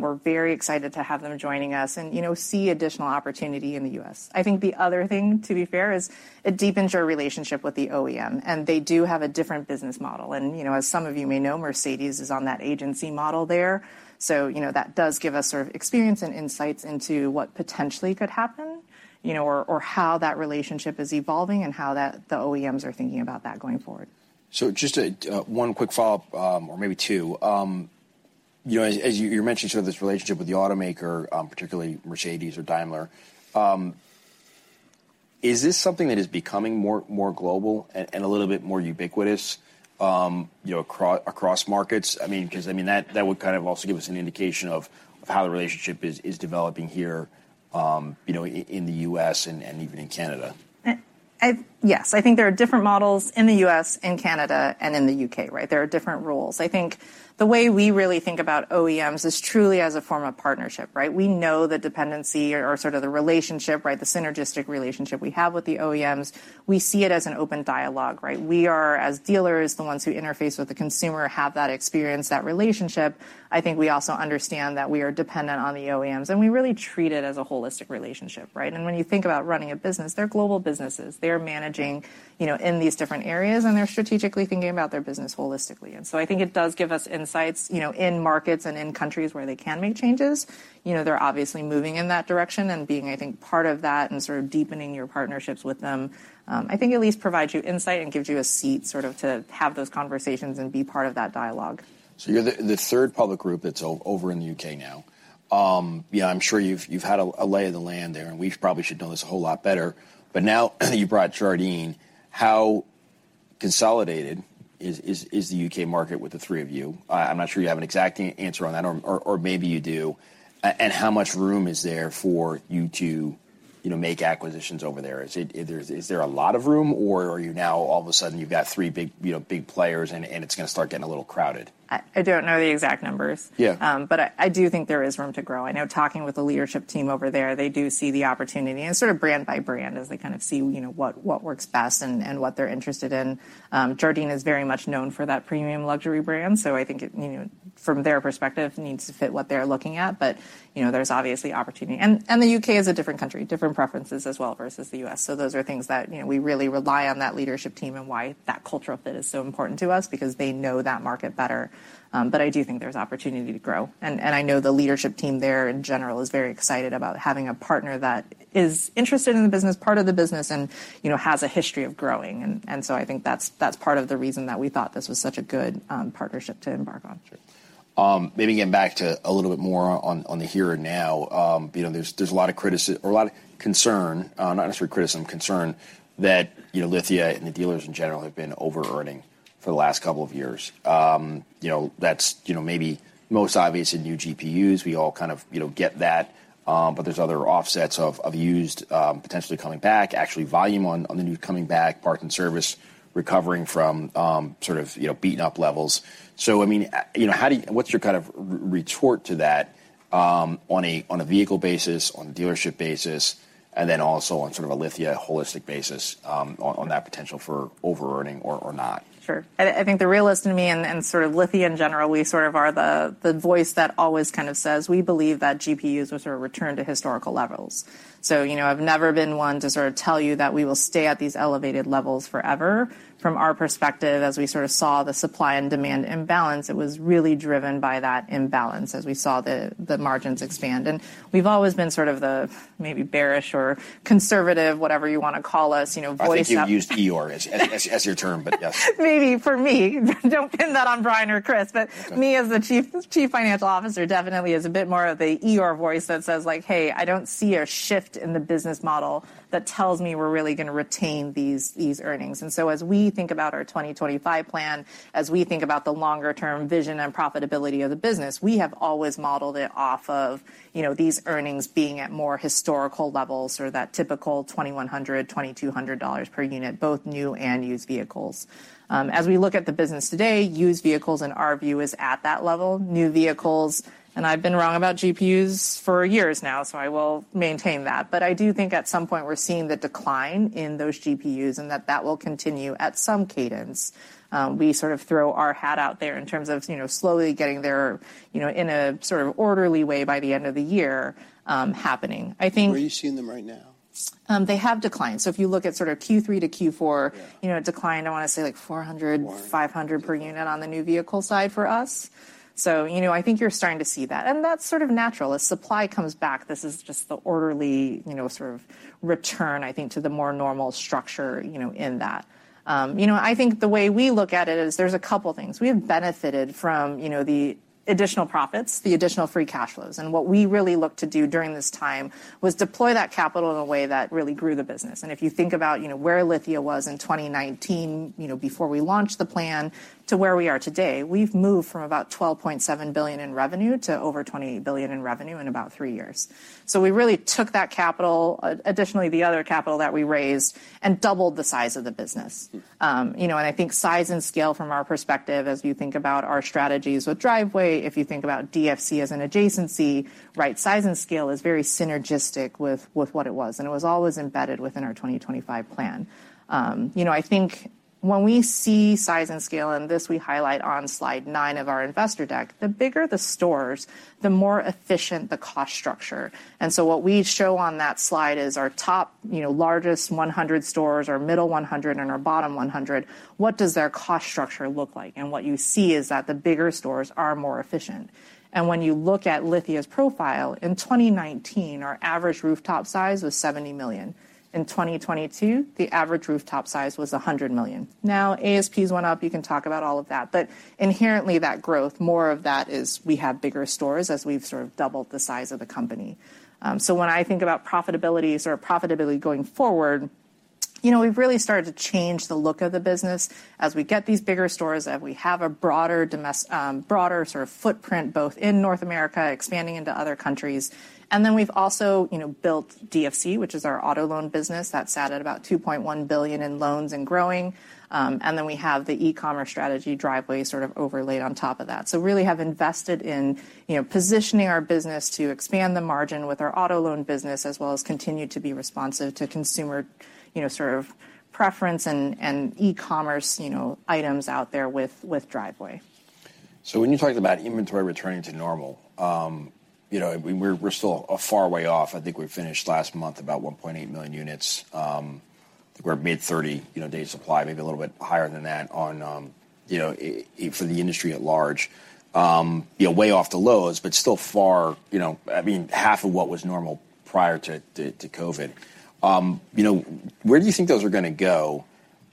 we're very excited to have them joining us and, you know, see additional opportunity in the U.S. I think the other thing, to be fair, is it deepens your relationship with the OEM, they do have a different business model. You know, as some of you may know, Mercedes is on that agency model there, so, you know, that does give us sort of experience and insights into what potentially could happen, you know, or how that relationship is evolving and how that the OEMs are thinking about that going forward. Just a one quick follow-up, or maybe two. You know, as you mentioned sort of this relationship with the automaker, particularly Mercedes or Daimler. Is this something that is becoming more global and a little bit more ubiquitous, you know, across markets? I mean, 'cause that would kind of also give us an indication of how the relationship is developing here, you know, in the U.S. and even in Canada. Yes. I think there are different models in the U.S., in Canada, and in the U.K., right? There are different rules. I think the way we really think about OEMs is truly as a form of partnership, right? We know the dependency or sort of the relationship, right, the synergistic relationship we have with the OEMs. We see it as an open dialogue, right? We are, as dealers, the ones who interface with the consumer, have that experience, that relationship. I think we also understand that we are dependent on the OEMs, and we really treat it as a holistic relationship, right? When you think about running a business, they're global businesses. They're managing, you know, in these different areas, and they're strategically thinking about their business holistically. I think it does give us insights, you know, in markets and in countries where they can make changes. You know, they're obviously moving in that direction, and being, I think, part of that and sort of deepening your partnerships with them, I think at least provides you insight and gives you a seat sort of to have those conversations and be part of that dialogue. You're the third public group that's over in the U.K. now. You know, I'm sure you've had a lay of the land there, and we probably should know this a whole lot better, but now you brought Jardine. How consolidated is the U.K. market with the three of you? I'm not sure you have an exact answer on that or maybe you do. And how much room is there for you to, you know, make acquisitions over there? Is there a lot of room or are you now all of a sudden you've got three big players and it's gonna start getting a little crowded? I don't know the exact numbers. Yeah. I do think there is room to grow. I know talking with the leadership team over there, they do see the opportunity and sort of brand by brand as they kind of see, you know, what works best and what they're interested in. Jardine is very much known for that premium luxury brand, so I think it, you know, from their perspective needs to fit what they're looking at. There's obviously opportunity. And the U.K. is a different country, different preferences as well versus the U.S. Those are things that, you know, we really rely on that leadership team and why that cultural fit is so important to us because they know that market better. I do think there's opportunity to grow. I know the leadership team there in general is very excited about having a partner that is interested in the business, part of the business, and, you know, has a history of growing. I think that's part of the reason that we thought this was such a good partnership to embark on. Sure. Maybe getting back to a little bit more on the here and now. You know, there's a lot of concern, not necessarily criticism, concern that, you know, Lithia and the dealers in general have been over-earning for the last couple of years. You know, that's, you know, maybe most obvious in new GPUs. We all kind of, you know, get that, but there's other offsets of used, potentially coming back. Actually, volume on the new coming back, parts and service recovering from, sort of, you know, beaten up levels. I mean, you know, how do. What's your kind of retort to that, on a vehicle basis, on a dealership basis, and then also on sort of a Lithia holistic basis, on that potential for over-earning or not? Sure. I think the realist in me and sort of Lithia in general, we sort of are the voice that always kind of says we believe that GPUs will sort of return to historical levels. You know, I've never been one to sort of tell you that we will stay at these elevated levels forever. From our perspective, as we sort of saw the supply and demand imbalance, it was really driven by that imbalance as we saw the margins expand. We've always been sort of the maybe bearish or conservative, whatever you wanna call us, you know, voice of. I think you've used Eeyore as your term, but yes. Maybe for me. Don't pin that on Brian or Chris. Okay. Me as the Chief Financial Officer definitely is a bit more of the Eeyore voice that says like, "Hey, I don't see a shift in the business model that tells me we're really gonna retain these earnings." As we think about our 2025 plan, as we think about the longer term vision and profitability of the business, we have always modeled it off of, you know, these earnings being at more historical levels or that typical $2,100, $2,200 per unit, both new and used vehicles. As we look at the business today, used vehicles in our view is at that level. New vehicles, and I've been wrong about GPUs for years now, so I will maintain that. I do think at some point we're seeing the decline in those GPUs, and that will continue at some cadence. We sort of throw our hat out there in terms of, you know, slowly getting there, you know, in a sort of orderly way by the end of the year, happening. Where are you seeing them right now? They have declined. If you look at sort of Q3 to Q4. Yeah You know, it declined, I wanna say, like. One $500 per unit on the new vehicle side for us. You know, I think you're starting to see that, and that's sort of natural. As supply comes back, this is just the orderly, you know, sort of return, I think, to the more normal structure, you know, in that. You know, I think the way we look at it is there's a couple things. We have benefited from, you know, the additional profits, the additional free cash flows. What we really looked to do during this time was deploy that capital in a way that really grew the business. If you think about, you know, where Lithia was in 2019, you know, before we launched the plan to where we are today, we've moved from about $12.7 billion in revenue to over $28 billion in revenue in about three years. We really took that capital, additionally, the other capital that we raised, and doubled the size of the business. You know, I think size and scale from our perspective as you think about our strategies with Driveway, if you think about DFC as an adjacency, right? Size and scale is very synergistic with what it was, and it was always embedded within our 2025 plan. You know, I think when we see size and scale, and this we highlight on slide nine of our investor deck, the bigger the stores, the more efficient the cost structure. What we show on that slide is our top, you know, largest 100 stores, our middle 100 and our bottom 100, what does their cost structure look like? What you see is that the bigger stores are more efficient. When you look at Lithia's profile, in 2019, our average rooftop size was $70 million. In 2022, the average rooftop size was $100 million. ASPs went up, you can talk about all of that, but inherently, that growth, more of that is we have bigger stores as we've sort of doubled the size of the company. So when I think about profitability or profitability going forward, you know, we've really started to change the look of the business as we get these bigger stores and we have a broader sort of footprint, both in North America, expanding into other countries. Then we've also, you know, built DFC, which is our auto loan business that sat at about $2.1 billion in loans and growing. We have the e-commerce strategy Driveway sort of overlaid on top of that. Really have invested in, you know, positioning our business to expand the margin with our auto loan business as well as continue to be responsive to consumer, you know, sort of preference and e-commerce, you know, items out there with Driveway. When you're talking about inventory returning to normal, you know, we're still a far way off. I think we finished last month about 1.8 million units. We're mid-30, you know, day supply, maybe a little bit higher than that on, you know, for the industry at large. You know, way off the lows, but still far, you know, I mean, half of what was normal prior to COVID. You know, where do you think those are gonna go?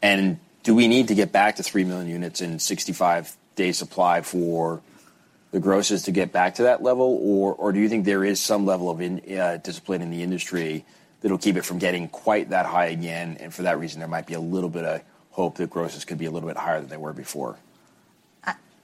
Do we need to get back to three million units and 65-day supply for the grosses to get back to that level? Do you think there is some level of in discipline in the industry that'll keep it from getting quite that high again? For that reason, there might be a little bit of hope that grosses could be a little bit higher than they were before.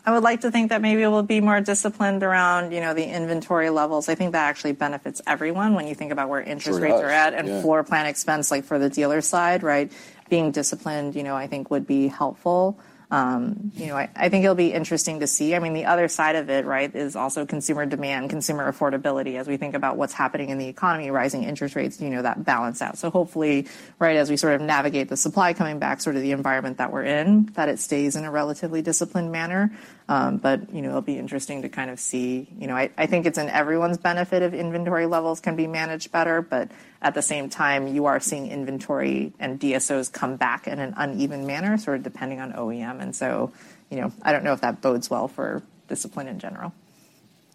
I would like to think that maybe it will be more disciplined around, you know, the inventory levels. I think that actually benefits everyone when you think about where interest rates. Sure does, yeah. Are at and floor plan expense, like for the dealer side, right? Being disciplined, you know, I think would be helpful. You know, I think it'll be interesting to see. I mean, the other side of it, right, is also consumer demand, consumer affordability, as we think about what's happening in the economy, rising interest rates, you know, that balance out. Hopefully, right, as we sort of navigate the supply coming back, sort of the environment that we're in, that it stays in a relatively disciplined manner. You know, it'll be interesting to kind of see. You know, I think it's in everyone's benefit if inventory levels can be managed better, but at the same time, you are seeing inventory and DSOs come back in an uneven manner, sort of depending on OEM. You know, I don't know if that bodes well for discipline in general.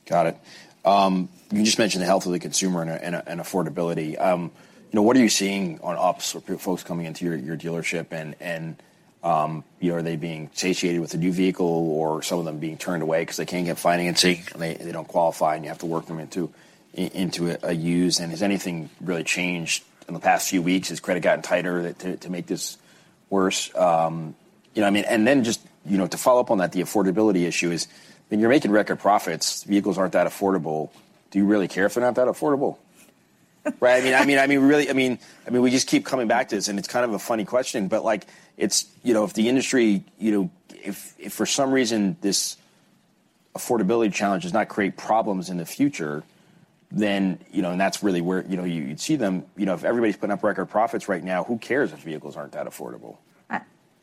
Got it. You just mentioned the health of the consumer and affordability. You know, what are you seeing on ops or folks coming into your dealership and are they being satiated with a new vehicle or some of them being turned away because they can't get financing, and they don't qualify, and you have to work them into a used? Has anything really changed in the past few weeks? Has credit gotten tighter to make this worse? You know what I mean? Just, you know, to follow up on that, the affordability issue is when you're making record profits, vehicles aren't that affordable. Do you really care if they're not that affordable? Right? I mean, really, we just keep coming back to this, and it's kind of a funny question, but like, it's, you know, if the industry, you know, if for some reason this affordability challenge does not create problems in the future, then, you know, and that's really where, you know, you'd see them. You know, if everybody's putting up record profits right now, who cares if vehicles aren't that affordable?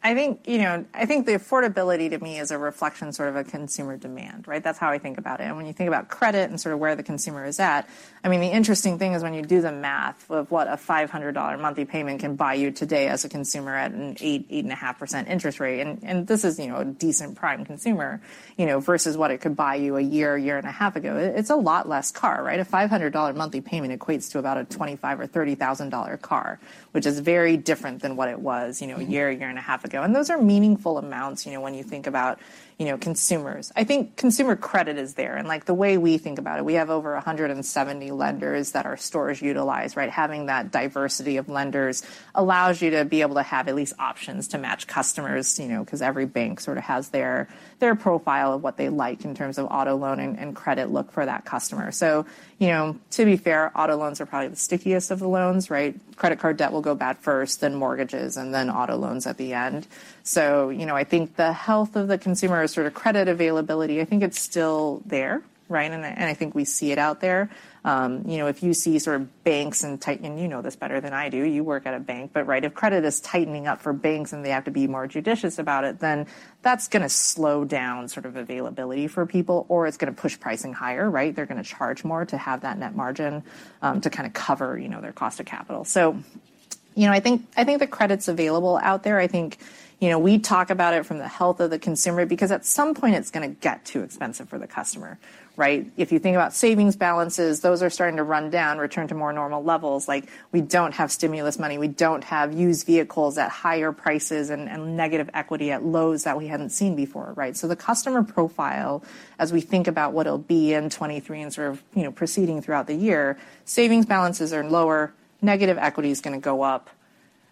I think, you know, I think the affordability to me is a reflection, sort of a consumer demand, right? That's how I think about it. When you think about credit and sort of where the consumer is at, I mean, the interesting thing is when you do the math of what a $500 monthly payment can buy you today as a consumer at an 8.5% interest rate, and this is, you know, a decent prime consumer, you know, versus what it could buy you a year, a year and a half ago. It's a lot less car, right? A $500 monthly payment equates to about a $25,000 or $30,000 car, which is very different than what it was, you know. Mm-hmm A year, a year and a half ago. Those are meaningful amounts, you know, when you think about, you know, consumers. I think consumer credit is there. Like, the way we think about it, we have over 170 lenders that our stores utilize, right? Having that diversity of lenders allows you to be able to have at least options to match customers, you know, because every bank sort of has their profile of what they like in terms of auto loan and credit look for that customer. You know, to be fair, auto loans are probably the stickiest of the loans, right? Credit card debt will go bad first, then mortgages, and then auto loans at the end. You know, I think the health of the consumer is sort of credit availability. I think it's still there, right? I think we see it out there. You know, if you see sort of banks and tighten, you know this better than I do, you work at a bank. Right, if credit is tightening up for banks and they have to be more judicious about it, then that's gonna slow down sort of availability for people, or it's gonna push pricing higher, right? They're gonna charge more to have that net margin, to kinda cover, you know, their cost of capital. You know, I think the credit's available out there. I think, you know, we talk about it from the health of the consumer because at some point it's gonna get too expensive for the customer, right? If you think about savings balances, those are starting to run down, return to more normal levels. Like, we don't have stimulus money, we don't have used vehicles at higher prices and negative equity at lows that we hadn't seen before, right? The customer profile, as we think about what it'll be in 2023 and sort of, you know, proceeding throughout the year, savings balances are lower. Negative equity is gonna go up,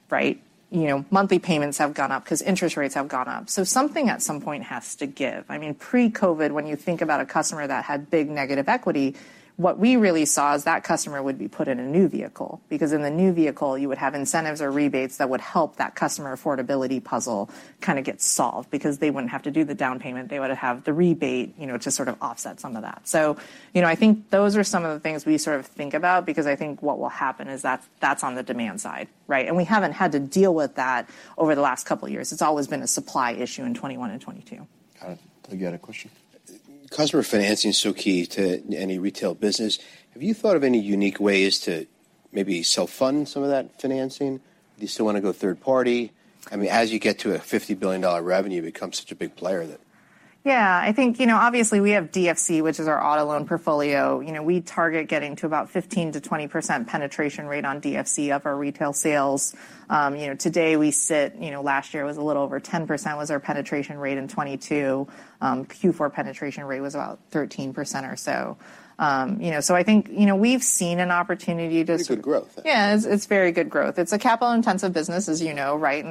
right? You know, monthly payments have gone up 'cause interest rates have gone up. Something at some point has to give. I mean, pre-COVID, when you think about a customer that had big negative equity, what we really saw is that customer would be put in a new vehicle. In the new vehicle, you would have incentives or rebates that would help that customer affordability puzzle kinda get solved because they wouldn't have to do the down payment. They would have the rebate, you know, to sort of offset some of that. You know, I think those are some of the things we sort of think about because I think what will happen is that's on the demand side, right? We haven't had to deal with that over the last couple years. It's always been a supply issue in 2021 and 2022. You had a question. Customer financing is so key to any retail business. Have you thought of any unique ways to maybe self-fund some of that financing? Do you still wanna go third party? I mean, as you get to a $50 billion revenue, you become such a big player that. I think, you know, obviously we have DFC, which is our auto loan portfolio. You know, we target getting to about 15%-20% penetration rate on DFC of our retail sales. You know, today we sit. You know, last year it was a little over 10% was our penetration rate in 2022. Q4 penetration rate was about 13% or so. You know, I think, you know, we've seen an opportunity. Good growth then. Yeah. It's very good growth. It's a capital-intensive business, as you know, right?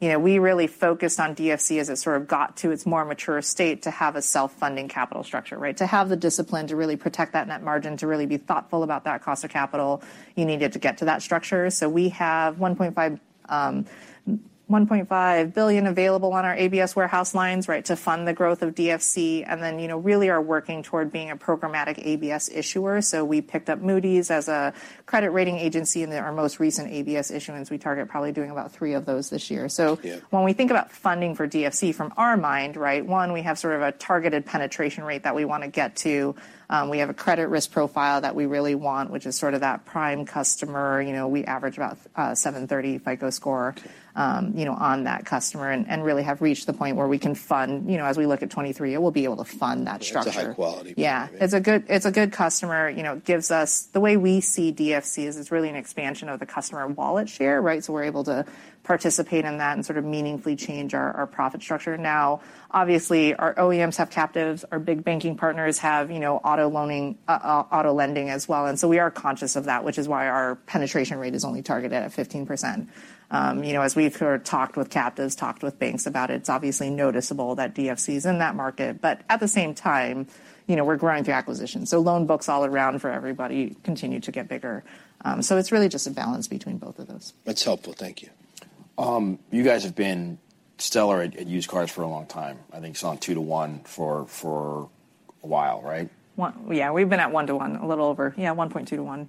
You know, we really focused on DFC as it sort of got to its more mature state to have a self-funding capital structure, right? To have the discipline to really protect that net margin, to really be thoughtful about that cost of capital you needed to get to that structure. We have $1.5 billion available on our ABS warehouse lines, right, to fund the growth of DFC. You know, really are working toward being a programmatic ABS issuer. We picked up Moody's as a credit rating agency in our most recent ABS issuance. We target probably doing about three of those this year. Yeah When we think about funding for DFC from our mind, right, one, we have sort of a targeted penetration rate that we wanna get to. We have a credit risk profile that we really want, which is sort of that prime customer. You know, we average about 730 FICO score, you know, on that customer, and really have reached the point where we can fund. You know, as we look at 2023, we'll be able to fund that structure. It's a high quality program. Yeah. It's a good, it's a good customer. You know, it gives us... The way we see DFC is it's really an expansion of the customer wallet share, right? We're able to participate in that and sort of meaningfully change our profit structure. Now, obviously, our OEMs have captives. Our big banking partners have, you know, auto loaning, auto lending as wel l. We are conscious of that, which is why our penetration rate is only targeted at 15%. You know, as we've sort of talked with captives, talked with banks about it's obviously noticeable that DFC's in that market. At the same time, you know, we're growing through acquisitions. Loan books all around for everybody continue to get bigger. It's really just a balance between both of those. That's helpful. Thank you. You guys have been stellar at used cars for a long time. I think selling two to one for a while, right? One. Yeah. We've been at one to one, a little over. Yeah. 1.2 to one.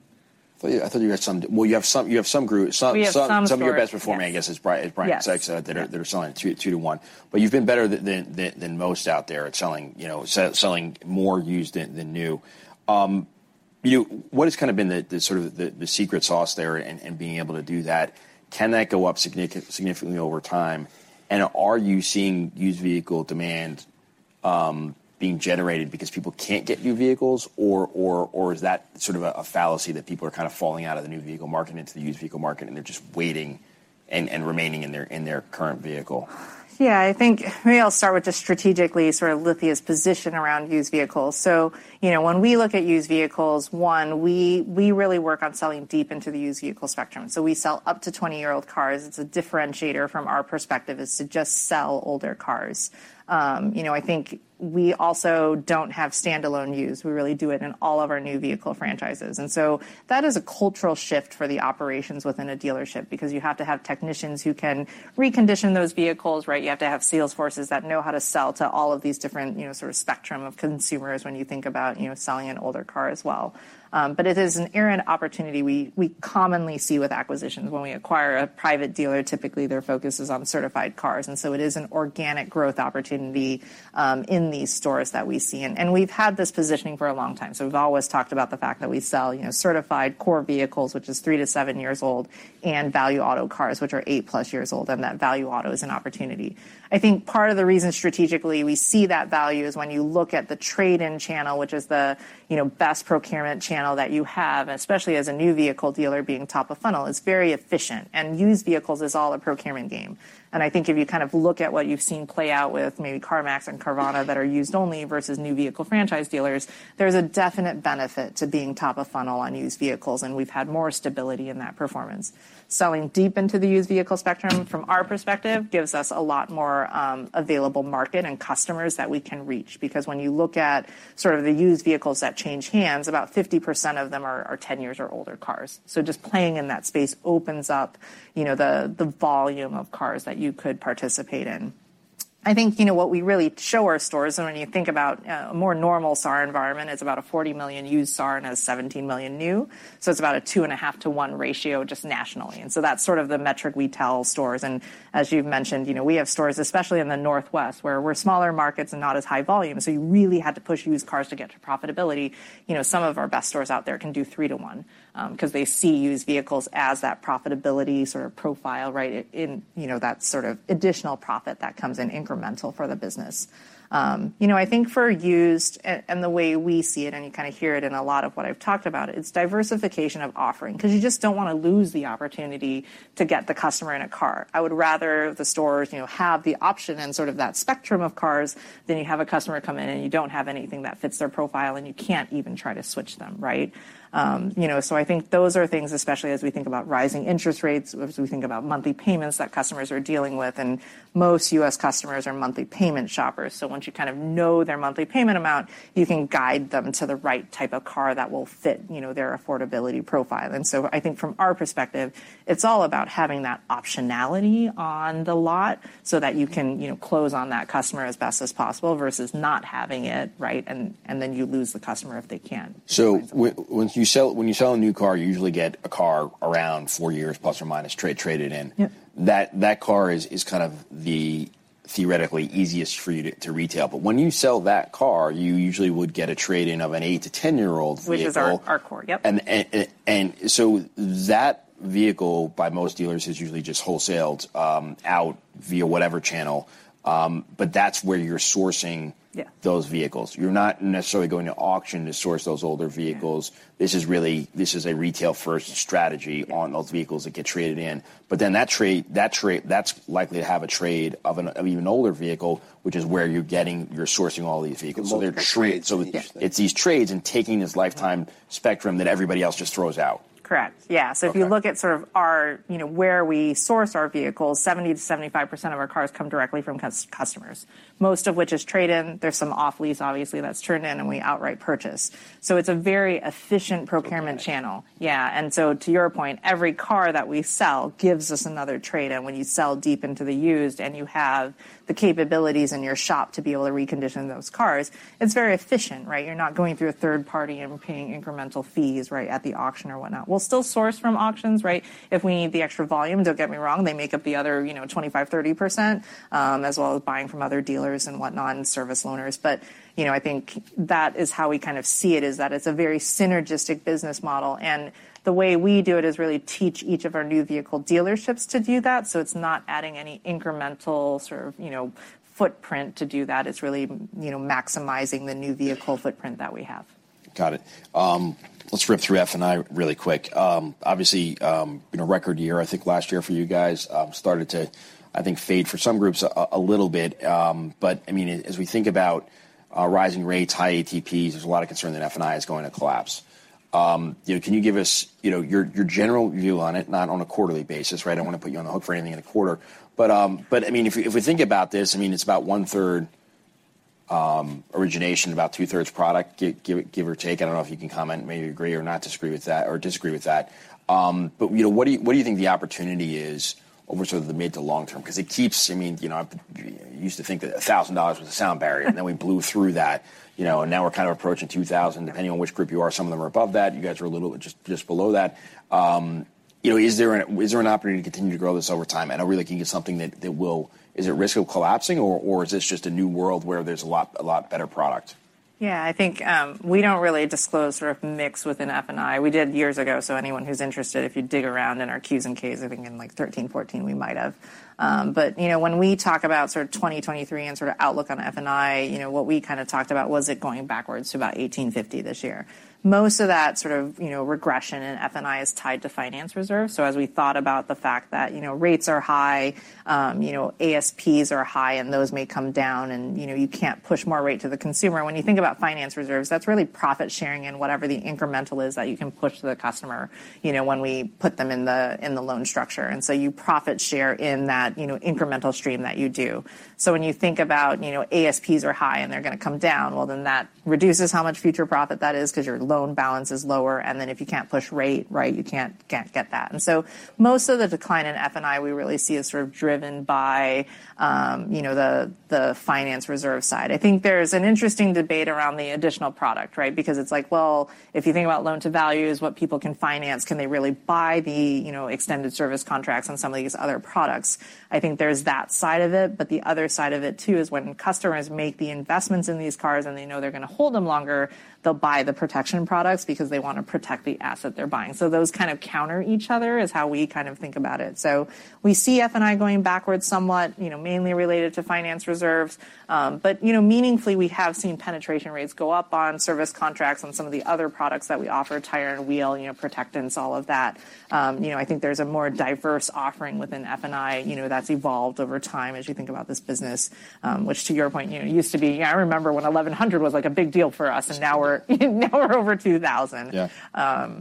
I thought you had some. Well, you have some group. We have some stores- Some of your best performing, I guess, as Brian Sykes said. Yes That are selling two to one you've been better than most out there at selling, you know, selling more used than new. What has kind of been the sort of the secret sauce there in being able to do that? Can that go up significantly over time? Are you seeing used vehicle demand being generated because people can't get new vehicles? Or is that sort of a fallacy that people are kind of falling out of the new vehicle market into the used vehicle market, and they're just waiting and remaining in their current vehicle? Yeah. I think maybe I'll start with just strategically sort of Lithia's position around used vehicles. You know, when we look at used vehicles, one, we really work on selling deep into the used vehicle spectrum. We sell up to 20-year-old cars. It's a differentiator from our perspective is to just sell older cars. You know, I think we also don't have standalone used. We really do it in all of our new vehicle franchises. That is a cultural shift for the operations within a dealership, because you have to have technicians who can recondition those vehicles, right? You have to have sales forces that know how to sell to all of these different, you know, sort of spectrum of consumers when you think about, you know, selling an older car as well. It is an errant opportunity we commonly see with acquisitions. When we acquire a private dealer, typically, their focus is on certified cars, it is an organic growth opportunity in these stores that we see. We've had this positioning for a long time. We've always talked about the fact that we sell, you know, certified core vehicles, which is three to seven years old, and value auto cars, which are eight-plus years old, and that value auto is an opportunity. I think part of the reason strategically we see that value is when you look at the trade-in channel, which is the, you know, best procurement channel that you have, and especially as a new vehicle dealer being top of funnel. It's very efficient. Used vehicles is all a procurement game. I think if you kind of look at what you've seen play out with maybe CarMax and Carvana that are used only versus new vehicle franchise dealers, there's a definite benefit to being top of funnel on used vehicles, and we've had more stability in that performance. Selling deep into the used vehicle spectrum, from our perspective, gives us a lot more available market and customers that we can reach. When you look at sort of the used vehicles that change hands, about 50% of them are 10 years or older cars. Just playing in that space opens up, you know, the volume of cars that you could participate in. I think, you know, what we really show our stores, and when you think about a more normal SAR environment, it's about a 40 million used SAR and a 17 million new. It's about a two and a half to one ratio just nationally. That's sort of the metric we tell stores. As you've mentioned, you know, we have stores, especially in the Northwest, where we're smaller markets and not as high volume, so you really had to push used cars to get to profitability. You know, some of our best stores out there can do three to one, 'cause they see used vehicles as that profitability sort of profile, right, in, you know, that sort of additional profit that comes in incremental for the business. You know, I think for used and the way we see it, and you kinda hear it in a lot of what I've talked about, it's diversification of offering. You just don't wanna lose the opportunity to get the customer in a car. I would rather the stores, you know, have the option and sort of that spectrum of cars, than you have a customer come in, and you don't have anything that fits their profile, and you can't even try to switch them, right? you know, I think those are things, especially as we think about rising interest rates, as we think about monthly payments that customers are dealing with. Most U.S. customers are monthly payment shoppers. Once you kind of know their monthly payment amount, you can guide them to the right type of car that will fit, you know, their affordability profile. I think from our perspective, it's all about having that optionality on the lot so that you can, you know, close on that customer as best as possible versus not having it, right, and then you lose the customer if they can't. When you sell a new car, you usually get a car around four years, ±, traded in. Yep. That car is kind of the theoretically easiest for you to retail. When you sell that car, you usually would get a trade-in of an eight to 10-year-old vehicle. Which is our core, yep. That vehicle, by most dealers, is usually just wholesaled out via whatever channel. That's where you're sourcing Yeah Those vehicles. You're not necessarily going to auction to source those older vehicles. Yeah. This is a retail-first strategy. Yeah On those vehicles that get traded in. That trade, that's likely to have a trade of an even older vehicle, which is where you're getting, you're sourcing all these vehicles. Multiple trades. They're trade So. Yeah It's these trades and taking this lifetime spectrum that everybody else just throws out. Correct. Yeah. Okay. If you look at sort of our, you know, where we source our vehicles, 70%-75% of our cars come directly from customers. Most of which is trade-in. There's some off-lease, obviously, that's turned in and we outright purchase. It's a very efficient procurement channel. Okay. Yeah. To your point, every car that we sell gives us another trade-in when you sell deep into the used, and you have the capabilities in your shop to be able to recondition those cars. It's very efficient, right? You're not going through a third party and paying incremental fees, right, at the auction or whatnot. We'll still source from auctions, right? If we need the extra volume. Don't get me wrong. They make up the other, you know, 25%-30%, as well as buying from other dealers and whatnot, and service loaners. I think that is how we kind of see it, is that it's a very synergistic business model. The way we do it is really teach each of our new vehicle dealerships to do that. It's not adding any incremental sort of, you know, footprint to do that. It's really, you know, maximizing the new vehicle footprint that we have. Got it. Let's rip through F&I really quick. Obviously, you know, record year, I think last year for you guys. Started to, I think, fade for some groups a little bit. I mean, as we think about rising rates, high ATPs, there's a lot of concern that F&I is going to collapse. You know, can you give us, you know, your general view on it, not on a quarterly basis, right? I don't wanna put you on the hook for anything in a quarter. I mean, if we think about this, I mean, it's about 1/3 origination, about 2/3 product, give or take. I don't know if you can comment. Maybe you agree or not disagree with that, or disagree with that. You know, what do you, what do you think the opportunity is over sort of the mid to long term? 'Cause it keeps. I mean, you know, I've. You used to think that $1,000 was a sound barrier. We blew through that, you know, and now we're kind of approaching $2,000, depending on which group you are. Some of them are above that. You guys are a little just below that. You know, is there an opportunity to continue to grow this over time? Are we looking at something that will. Is it risk of collapsing, or is this just a new world where there's a lot, a lot better product? I think we don't really disclose sort of mix within F&I. We did years ago, so anyone who's interested, if you dig around in our Qs and Ks, I think in like 2013, 2014, we might have. When we talk about sort of 2023 and sort of outlook on F&I, you know, what we kind of talked about was it going backwards to about $1,850 this year. Most of that sort of, you know, regression in F&I is tied to finance reserves. As we thought about the fact that, you know, rates are high, you know, ASPs are high, and those may come down, and, you know, you can't push more rate to the consumer. When you think about finance reserves, that's really profit sharing and whatever the incremental is that you can push to the customer, you know, when we put them in the, in the loan structure. You profit share in that, you know, incremental stream that you do. When you think about, you know, ASPs are high, and they're gonna come down, well, then that reduces how much future profit that is 'cause your loan balance is lower, and then if you can't push rate, right, you can't get that. Most of the decline in F&I, we really see is sort of driven by, you know, the finance reserve side. I think there's an interesting debate around the additional product, right? It's like, well, if you think about loan to values, what people can finance, can they really buy the, you know, extended service contracts on some of these other products? I think there's that side of it. The other side of it, too, is when customers make the investments in these cars, and they know they're gonna hold them longer, they'll buy the protection products because they wanna protect the asset they're buying. Those kind of counter each other is how we kind of think about it. We see F&I going backwards somewhat, you know, mainly related to finance reserves. But, you know, meaningfully, we have seen penetration rates go up on service contracts on some of the other products that we offer, tire and wheel, you know, protectants, all of that. You know, I think there's a more diverse offering within F&I, you know, that's evolved over time as you think about this business. Which to your point, you know, used to be, I remember when $1,100 was, like, a big deal for us. Sure. Now we're over $2,000. Yeah.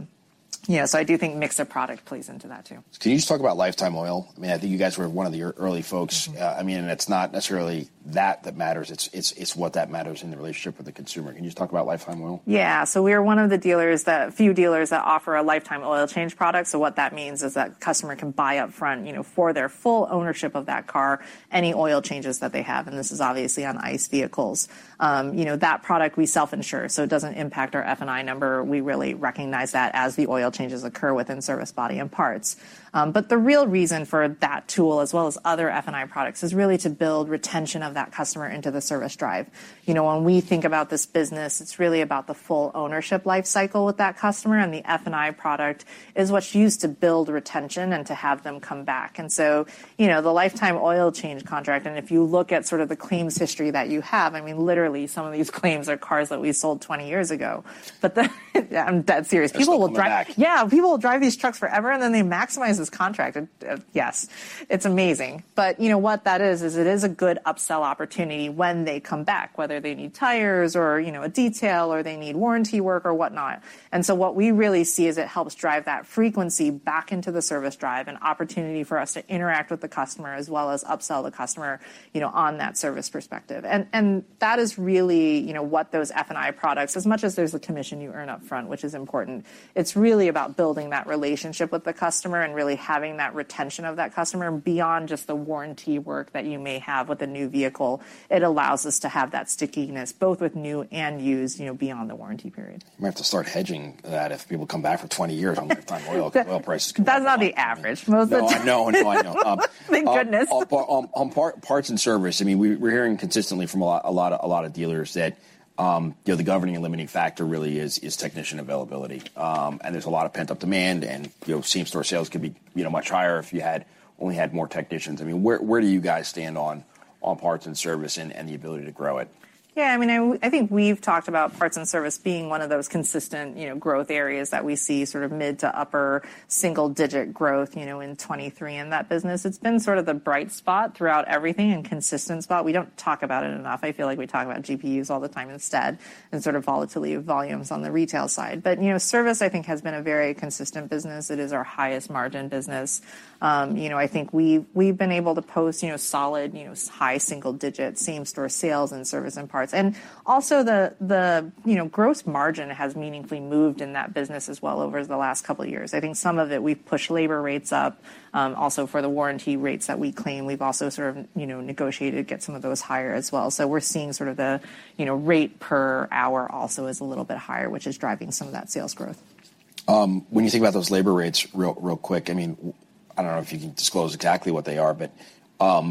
Yeah, I do think mix of product plays into that too. Can you just talk about lifetime oil? I mean, I think you guys were one of the early folks. Mm-hmm. I mean, it's not necessarily that that matters, it's what that matters in the relationship with the consumer. Can you just talk about lifetime oil? Yeah. We are one of the few dealers that offer a lifetime oil change product. What that means is that customer can buy up front, you know, for their full ownership of that car, any oil changes that they have, and this is obviously on ICE vehicles. You know, that product we self-insure, so it doesn't impact our F&I number. We really recognize that as the oil changes occur within service body and parts. The real reason for that tool, as well as other F&I products, is really to build retention of that customer into the service drive. You know, when we think about this business, it's really about the full ownership life cycle with that customer, and the F&I product is what's used to build retention and to have them come back. You know, the lifetime oil change contract, and if you look at sort of the claims history that you have, I mean, literally some of these claims are cars that we sold 20 years ago. I'm dead serious. They're still coming back. People will drive these trucks forever, then they maximize this contract. Yes, it's amazing. You know what that is it is a good upsell opportunity when they come back, whether they need tires or, you know, a detail, or they need warranty work or whatnot. What we really see is it helps drive that frequency back into the service drive, an opportunity for us to interact with the customer as well as upsell the customer, you know, on that service perspective. That is really, you know, what those F&I products, as much as there's a commission you earn up front, which is important, it's really about building that relationship with the customer and really having that retention of that customer beyond just the warranty work that you may have with a new vehicle. It allows us to have that stickiness both with new and used, you know, beyond the warranty period. You might have to start hedging that if people come back for 20 years on lifetime oil. Oil prices could be. That's not the average. Most of the time No, I know. No, I know. Thank goodness. On parts and service, I mean, we're hearing consistently from a lot of dealers that, you know, the governing and limiting factor really is technician availability. There's a lot of pent-up demand and, you know, same store sales could be, you know, much higher if you only had more technicians. I mean, where do you guys stand on parts and service and the ability to grow it? Yeah, I mean, I think we've talked about parts and service being one of those consistent, you know, growth areas that we see sort of mid to upper single digit growth, you know, in 2023 in that business. It's been sort of the bright spot throughout everything and consistent spot. We don't talk about it enough. I feel like we talk about GPUs all the time instead and sort of volatility of volumes on the retail side. You know, service, I think, has been a very consistent business. It is our highest margin business. You know, I think we've been able to post, you know, solid, you know, high single digit same store sales in service and parts. Also, you know, gross margin has meaningfully moved in that business as well over the last couple years. I think some of it we've pushed labor rates up. For the warranty rates that we claim, we've also sort of, you know, negotiated to get some of those higher as well. We're seeing sort of the, you know, rate per hour also is a little bit higher, which is driving some of that sales growth. When you think about those labor rates real quick, I mean, I don't know if you can disclose exactly what they are, but, I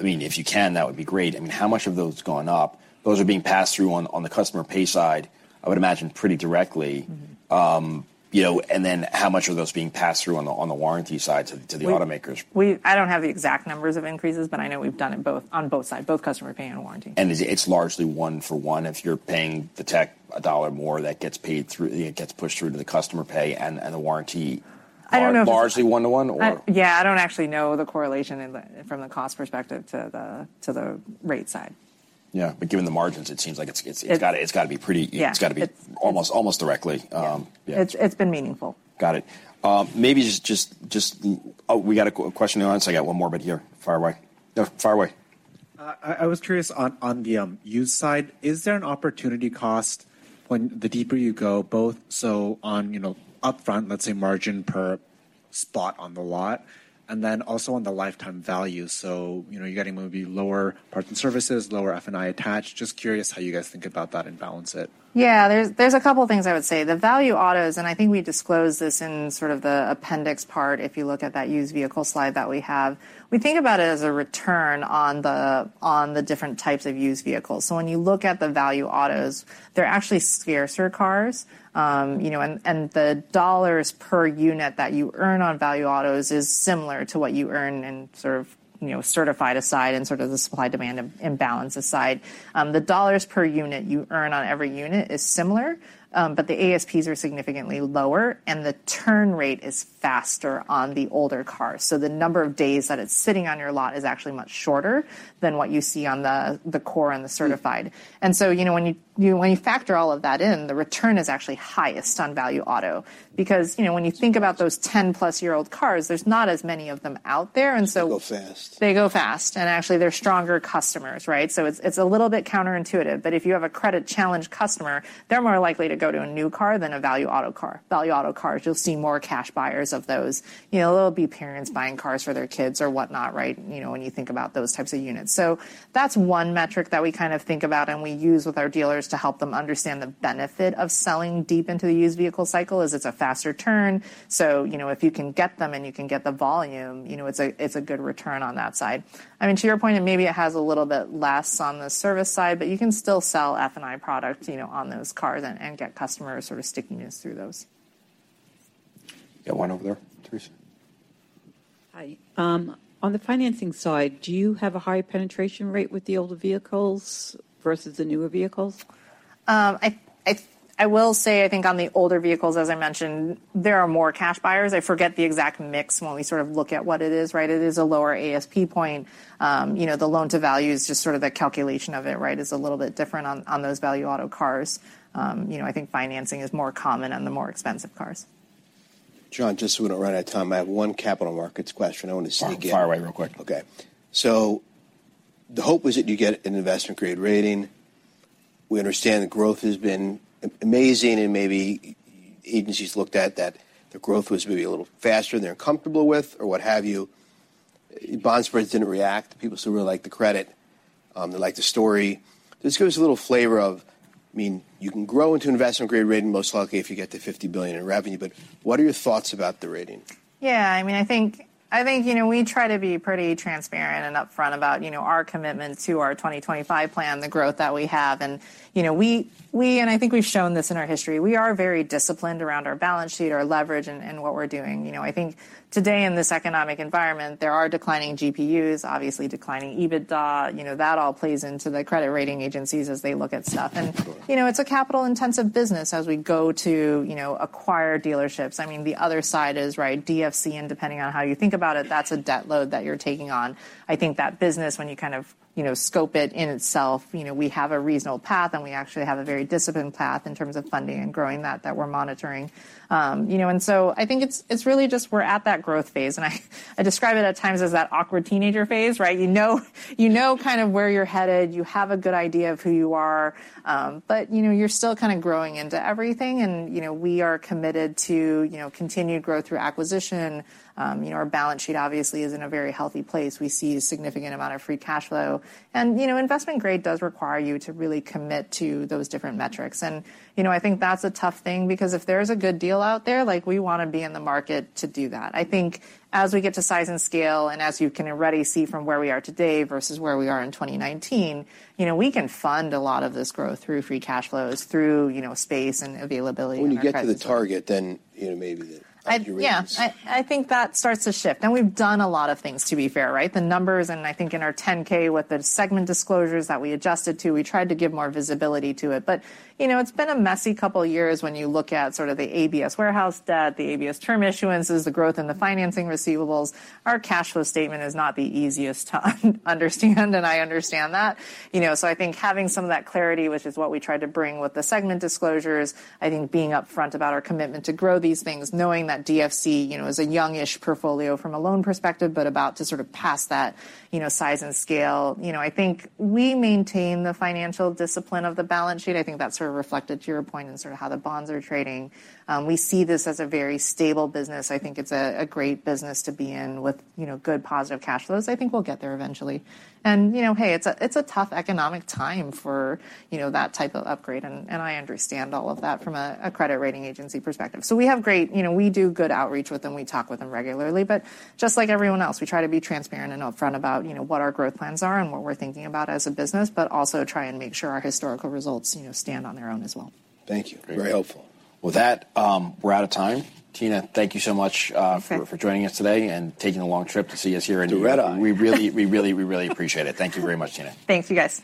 mean, if you can, that would be great. I mean, how much have those gone up? Those are being passed through on the customer pay side, I would imagine pretty directly. Mm-hmm. You know, how much are those being passed through on the, on the warranty side to the automakers? We, I don't have the exact numbers of increases, but I know we've done it both, on both sides, both customer pay and warranty. It's largely one for one. If you're paying the tech a $1 more, it gets pushed through to the customer pay and the warranty. I don't know. Largely one to one or? Yeah, I don't actually know the correlation in the, from the cost perspective to the, to the rate side. Yeah. Given the margins, it seems like it's gotta be pretty... Yeah It's gotta be almost directly. Yeah. Yeah. It's been meaningful. Got it. maybe just Oh, we got a question in the line. I got one more, but here, far away. No, far away. I was curious on the used side, is there an opportunity cost when the deeper you go, both so on, you know, upfront, let's say margin per spot on the lot, and then also on the lifetime value? You know, you're gonna be lower parts and services, lower F&I attached. Just curious how you guys think about that and balance it. There's a couple things I would say. The value autos, and I think we disclosed this in sort of the appendix part, if you look at that used vehicle slide that we have, we think about it as a return on the, on the different types of used vehicles. When you look at the value autos, they're actually scarcer cars. You know, and the dollars per unit that you earn on value autos is similar to what you earn in sort of, you know, certified aside and sort of the supply-demand imbalance aside. The dollars per unit you earn on every unit is similar, but the ASPs are significantly lower, and the turn rate is faster on the older cars. The number of days that it's sitting on your lot is actually much shorter than what you see on the core and the certified. You know, when you factor all of that in, the return is actually highest on value auto because, you know, when you think about those 10+-year-old cars, there's not as many of them out there, and so... They go fast. They go fast, and actually, they're stronger customers, right? It's a little bit counterintuitive, but if you have a credit-challenged customer, they're more likely to go to a new car than a value auto car. Value auto cars, you'll see more cash buyers of those. You know, they'll be parents buying cars for their kids or whatnot, right, you know, when you think about those types of units. That's one metric that we kind of think about and we use with our dealers to help them understand the benefit of selling deep into the used vehicle cycle is it's a faster turn. You know, if you can get them and you can get the volume, you know, it's a good return on that side. I mean, to your point, and maybe it has a little bit less on the service side, but you can still sell F&I product, you know, on those cars and get customers sort of stickiness through those. Got one over there, Teresa. Hi. On the financing side, do you have a higher penetration rate with the older vehicles versus the newer vehicles? I will say, I think on the older vehicles, as I mentioned, there are more cash buyers. I forget the exact mix when we sort of look at what it is, right? It is a lower ASP point. You know, the loan to value is just sort of the calculation of it, right? It's a little bit different on those value auto cars. You know, I think financing is more common on the more expensive cars. John, just so we don't run out of time, I have one capital markets question I wanna sneak in. Fire, fire away real quick. The hope was that you get an investment grade rating. We understand the growth has been amazing, and maybe agencies looked at that. The growth was maybe a little faster than they're comfortable with or what have you. Bond spreads didn't react. People still really like the credit, they like the story. Can just give us a little flavor of. I mean, you can grow into investment grade rating most likely if you get to $50 billion in revenue, but what are your thoughts about the rating? Yeah, I mean, I think, you know, we try to be pretty transparent and upfront about, you know, our commitment to our 2025 plan, the growth that we have. You know, I think we've shown this in our history, we are very disciplined around our balance sheet, our leverage, and what we're doing. You know, I think today in this economic environment, there are declining GPUs, obviously declining EBITDA. You know, that all plays into the credit rating agencies as they look at stuff. You know, it's a capital intensive business as we go to, you know, acquire dealerships. I mean, the other side is, right, DFC, and depending on how you think about it, that's a debt load that you're taking on. I think that business when you kind of, you know, scope it in itself, you know, we have a reasonable path, and we actually have a very disciplined path in terms of funding and growing that we're monitoring. You know, and so I think it's really just we're at that growth phase and I describe it at times as that awkward teenager phase, right? You know, you know kind of where you're headed. You have a good idea of who you are. You know, you're still kinda growing into everything and, you know, we are committed to, you know, continued growth through acquisition. You know, our balance sheet obviously is in a very healthy place. We see a significant amount of free cash flow. You know, investment grade does require you to really commit to those different metrics. You know, I think that's a tough thing because if there is a good deal out there, like, we wanna be in the market to do that. I think as we get to size and scale and as you can already see from where we are today versus where we are in 2019, you know, we can fund a lot of this growth through free cash flows, through, you know, space and availability in our credit. When you get to the target, then, you know, maybe the upgrade. Yeah. I think that starts to shift. We've done a lot of things to be fair, right? The numbers, and I think in our 10-K with the segment disclosures that we adjusted to, we tried to give more visibility to it. You know, it's been a messy couple of years when you look at sort of the ABS warehouse debt, the ABS term issuances, the growth in the financing receivables. Our cash flow statement is not the easiest to un-understand and I understand that. You know, I think having some of that clarity, which is what we tried to bring with the segment disclosures, I think being upfront about our commitment to grow these things, knowing that DFC, you know, is a young-ish portfolio from a loan perspective, but about to sort of pass that, you know, size and scale. You know, I think we maintain the financial discipline of the balance sheet. I think that's sort of reflected to your point in sort of how the bonds are trading. We see this as a very stable business. I think it's a great business to be in with, you know, good positive cash flows. I think we'll get there eventually. You know, hey, it's a, it's a tough economic time for, you know, that type of upgrade, and I understand all of that from a credit rating agency perspective. You know, we do good outreach with them. We talk with them regularly. Just like everyone else, we try to be transparent and upfront about, you know, what our growth plans are and what we're thinking about as a business, but also try and make sure our historical results, you know, stand on their own as well. Thank you. Very helpful. With that, we're out of time. Tina, thank you so much. Okay For joining us today and taking a long trip to see us here in Nevada. To Nevada. We really appreciate it. Thank you very much, Tina. Thanks, you guys.